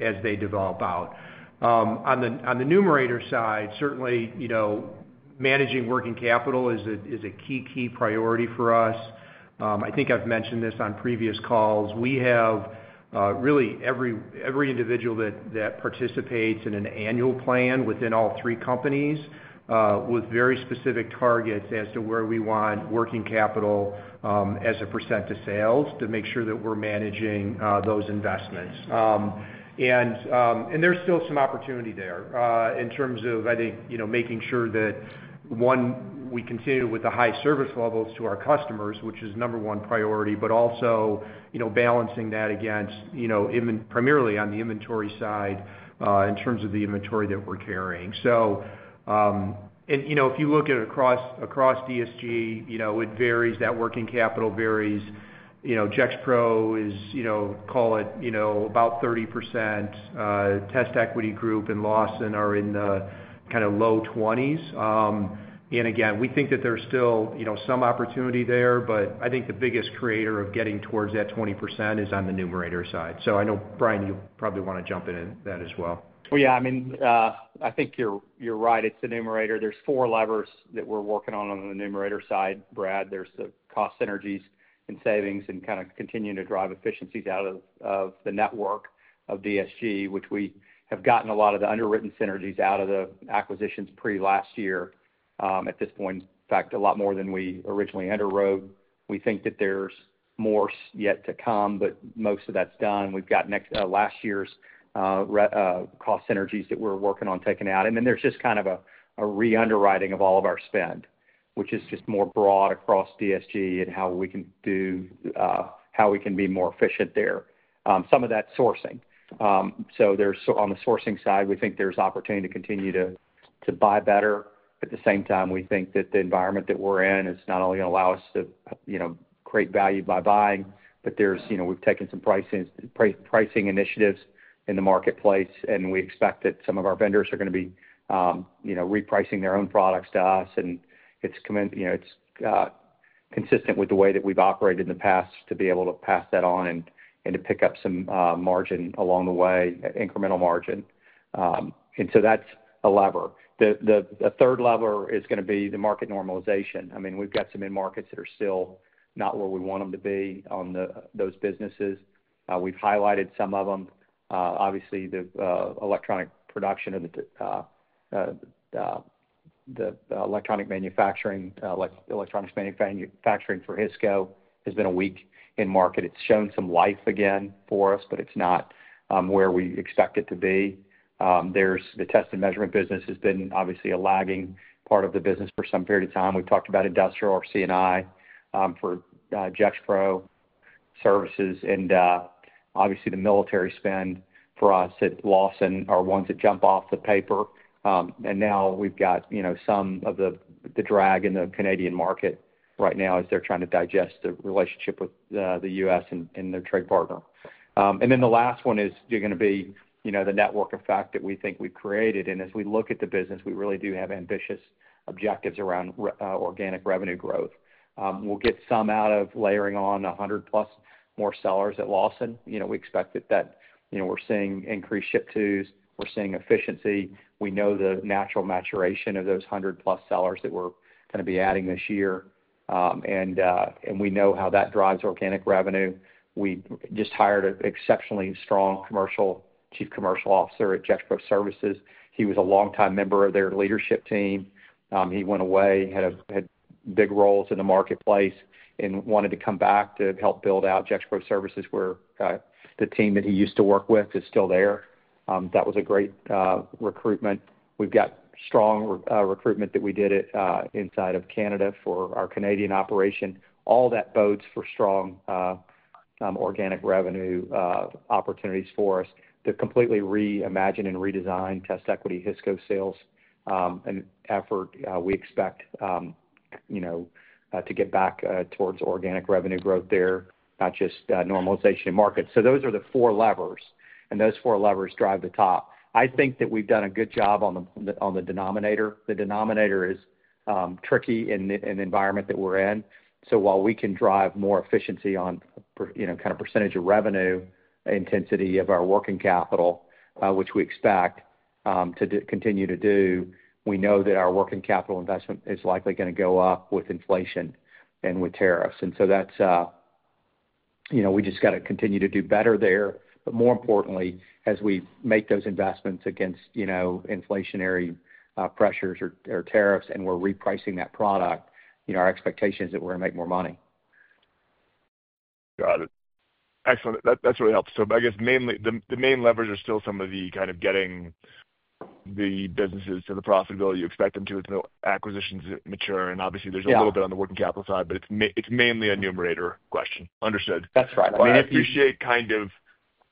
as they develop out. On the numerator side, certainly managing working capital is a key, key priority for us. I think I've mentioned this on previous calls. We have really every individual that participates in an annual plan within all three companies with very specific targets as to where we want working capital as a % of sales to make sure that we're managing those investments. There is still some opportunity there in terms of, I think, making sure that, one, we continue with the high service levels to our customers, which is the number one priority, but also balancing that against primarily on the inventory side in terms of the inventory that we're carrying. If you look across DSG, it varies. That working capital varies. Gexpro is, call it, about 30%. TestEquity Group and Lawson are in the kind of low 20s. We think that there's still some opportunity there, but I think the biggest creator of getting towards that 20% is on the numerator side. I know, Brian, you probably want to jump in that as well. Yeah, I mean, I think you're right. It's the numerator. There are four levers that we're working on on the numerator side, Brad. There's the cost synergies and savings and kind of continuing to drive efficiencies out of the network of DSG, which we have gotten a lot of the underwritten synergies out of the acquisitions pre-last year at this point. In fact, a lot more than we originally underwrote. We think that there's more yet to come, but most of that's done. We've got last year's cost synergies that we're working on taking out. There's just kind of a re-underwriting of all of our spend, which is just more broad across DSG and how we can do how we can be more efficient there. Some of that's sourcing. On the sourcing side, we think there's opportunity to continue to buy better. At the same time, we think that the environment that we're in is not only going to allow us to create value by buying, but we've taken some pricing initiatives in the marketplace, and we expect that some of our vendors are going to be repricing their own products to us. It is consistent with the way that we have operated in the past to be able to pass that on and to pick up some margin along the way, incremental margin. That is a lever. The third lever is going to be the market normalization. I mean, we have got some in-markets that are still not where we want them to be on those businesses. We have highlighted some of them. Obviously, the electronic production of the electronics manufacturing for Hisco has been a weak in-market. It has shown some life again for us, but it is not where we expect it to be. The test and measurement business has been obviously a lagging part of the business for some period of time. We have talked about industrial or CNI for Gexpro Services and obviously the military spend for us at Lawson are ones that jump off the paper. We have some of the drag in the Canadian market right now as they're trying to digest the relationship with the U.S. and their trade partner. The last one is going to be the network effect that we think we've created. As we look at the business, we really do have ambitious objectives around organic revenue growth. We'll get some out of layering on 100-plus more sellers at Lawson. We expect that we're seeing increased ship tos. We're seeing efficiency. We know the natural maturation of those 100-plus sellers that we're going to be adding this year. We know how that drives organic revenue. We just hired an exceptionally strong Chief Commercial Officer at Gexpro Services. He was a longtime member of their leadership team. He went away, had big roles in the marketplace, and wanted to come back to help build out Gexpro Services where the team that he used to work with is still there. That was a great recruitment. We've got strong recruitment that we did inside of Canada for our Canadian operation. All that bodes for strong organic revenue opportunities for us to completely reimagine and redesign TestEquity Hisco sales and effort. We expect to get back towards organic revenue growth there, not just normalization in markets. Those are the four levers. Those four levers drive the top. I think that we've done a good job on the denominator. The denominator is tricky in the environment that we're in. While we can drive more efficiency on kind of percentage of revenue intensity of our working capital, which we expect to continue to do, we know that our working capital investment is likely going to go up with inflation and with tariffs. We just got to continue to do better there. More importantly, as we make those investments against inflationary pressures or tariffs and we're repricing that product, our expectation is that we're going to make more money. Got it. Excellent. That's really helpful. I guess the main levers are still some of the kind of getting the businesses to the profitability you expect them to with the acquisitions that mature. Obviously, there's a little bit on the working capital side, but it's mainly a numerator question. Understood. That's right. I mean, I appreciate kind of,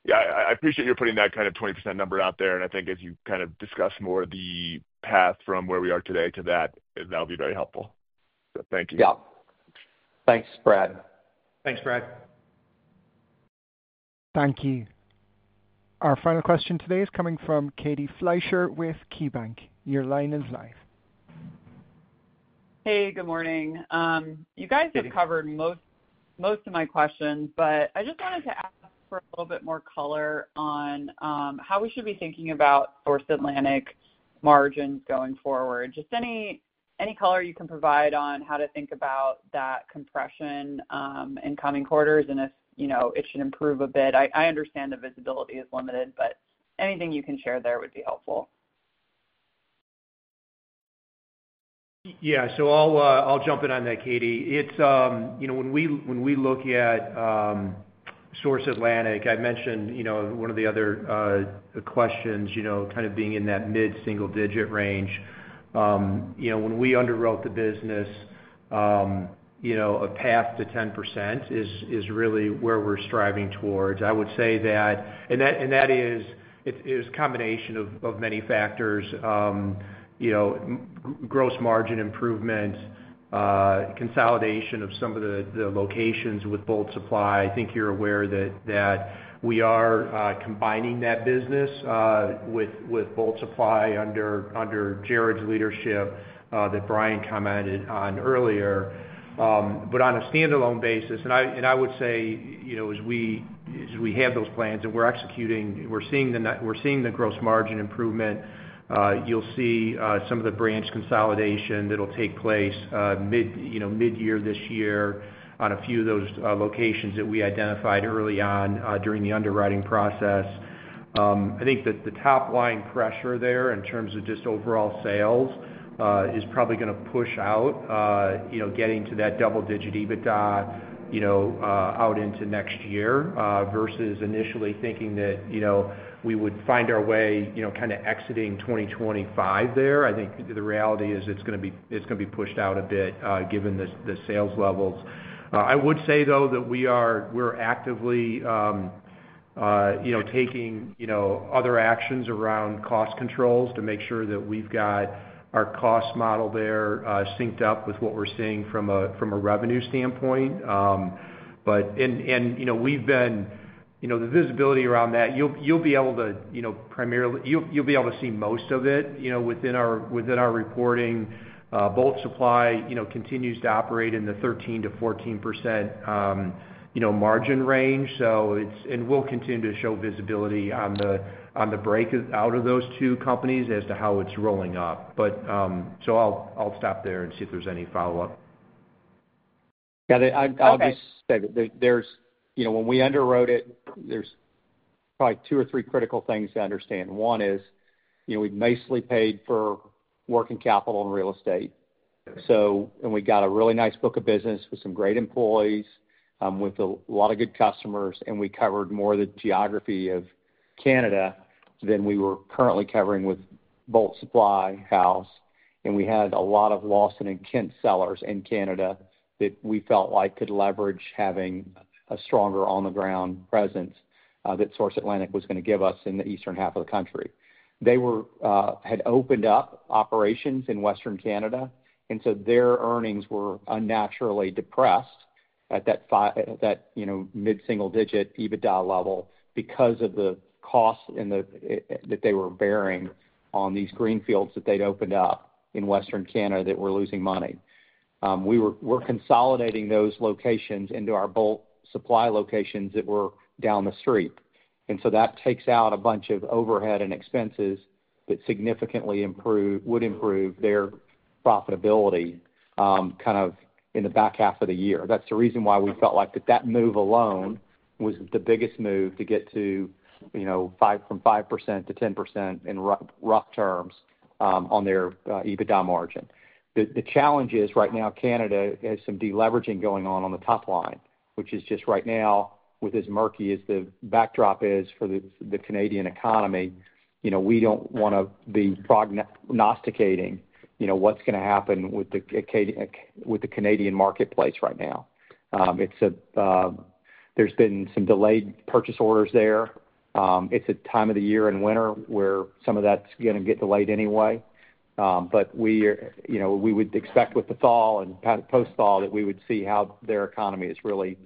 yeah, I appreciate you putting that kind of 20% number out there. I think as you kind of discuss more of the path from where we are today to that, that will be very helpful. Thank you. Thanks, Brad. Thank you. Our final question today is coming from Katie Fleischer with Keybanc. Your line is live. Hey, good morning. You guys have covered most of my questions, but I just wanted to ask for a little bit more color on how we should be thinking about Source Atlantic margins going forward. Just any color you can provide on how to think about that compression in coming quarters and if it should improve a bit. I understand the visibility is limited, but anything you can share there would be helpful. Yeah. I will jump in on that, Katie. When we look at Source Atlantic, I mentioned one of the other questions kind of being in that mid-single digit range. When we underwrote the business, a path to 10% is really where we're striving towards. I would say that, and that is a combination of many factors: gross margin improvement, consolidation of some of the locations with Bolt Supply. I think you're aware that we are combining that business with Bolt Supply under Jared's leadership that Brian commented on earlier. On a standalone basis, and I would say as we have those plans and we're executing, we're seeing the gross margin improvement, you'll see some of the branch consolidation that'll take place mid-year this year on a few of those locations that we identified early on during the underwriting process. I think that the top-line pressure there in terms of just overall sales is probably going to push out, getting to that double-digit EBITDA out into next year versus initially thinking that we would find our way kind of exiting 2025 there. I think the reality is it's going to be pushed out a bit given the sales levels. I would say, though, that we're actively taking other actions around cost controls to make sure that we've got our cost model there synced up with what we're seeing from a revenue standpoint. We've been the visibility around that, you'll be able to primarily you'll be able to see most of it within our reporting. Bolt Supply continues to operate in the 13-14% margin range. We'll continue to show visibility on the break out of those two companies as to how it's rolling up. I'll stop there and see if there's any follow-up. Yeah. I'll just say that when we underwrote it, there's probably two or three critical things to understand. One is we've nicely paid for working capital and real estate. We got a really nice book of business with some great employees, with a lot of good customers. We covered more of the geography of Canada than we were currently covering with Bolt Supply. House. We had a lot of Lawson and Kent sellers in Canada that we felt like could leverage having a stronger on-the-ground presence that Source Atlantic was going to give us in the eastern half of the country. They had opened up operations in western Canada. Their earnings were unnaturally depressed at that mid-single digit EBITDA level because of the costs that they were bearing on these greenfields that they'd opened up in western Canada that were losing money. We were consolidating those locations into our Bolt Supply locations that were down the street. That takes out a bunch of overhead and expenses that significantly would improve their profitability kind of in the back half of the year. That's the reason why we felt like that move alone was the biggest move to get from 5% to 10% in rough terms on their EBITDA margin. The challenge is right now, Canada has some deleveraging going on on the top line, which is just right now, with as murky as the backdrop is for the Canadian economy, we do not want to be prognosticating what is going to happen with the Canadian marketplace right now. There have been some delayed purchase orders there. It is a time of the year in winter where some of that is going to get delayed anyway. We would expect with the fall and post-fall that we would see how their economy is really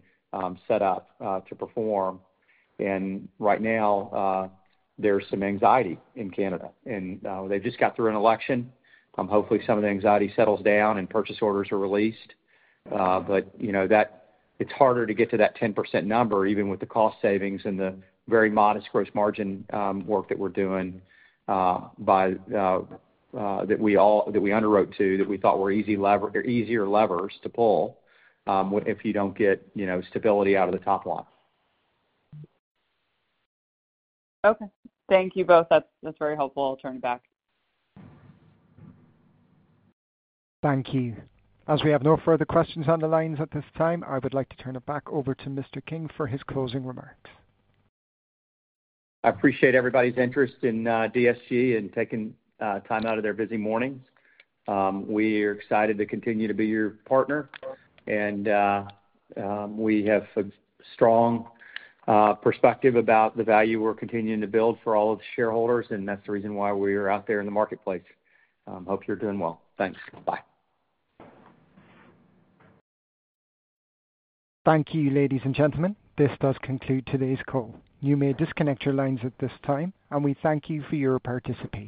set up to perform. Right now, there is some anxiety in Canada. They have just got through an election. Hopefully, some of the anxiety settles down and purchase orders are released. It's harder to get to that 10% number, even with the cost savings and the very modest gross margin work that we're doing that we underwrote to, that we thought were easier levers to pull if you don't get stability out of the top line. Okay. Thank you both. That's very helpful. I'll turn it back. Thank you. As we have no further questions on the lines at this time, I would like to turn it back over to Mr. King for his closing remarks. I appreciate everybody's interest in DSG and taking time out of their busy mornings. We are excited to continue to be your partner. We have a strong perspective about the value we're continuing to build for all of the shareholders. That's the reason why we are out there in the marketplace. Hope you're doing well. Thanks. Bye. Thank you, ladies and gentlemen. This does conclude today's call. You may disconnect your lines at this time, and we thank you for your participation.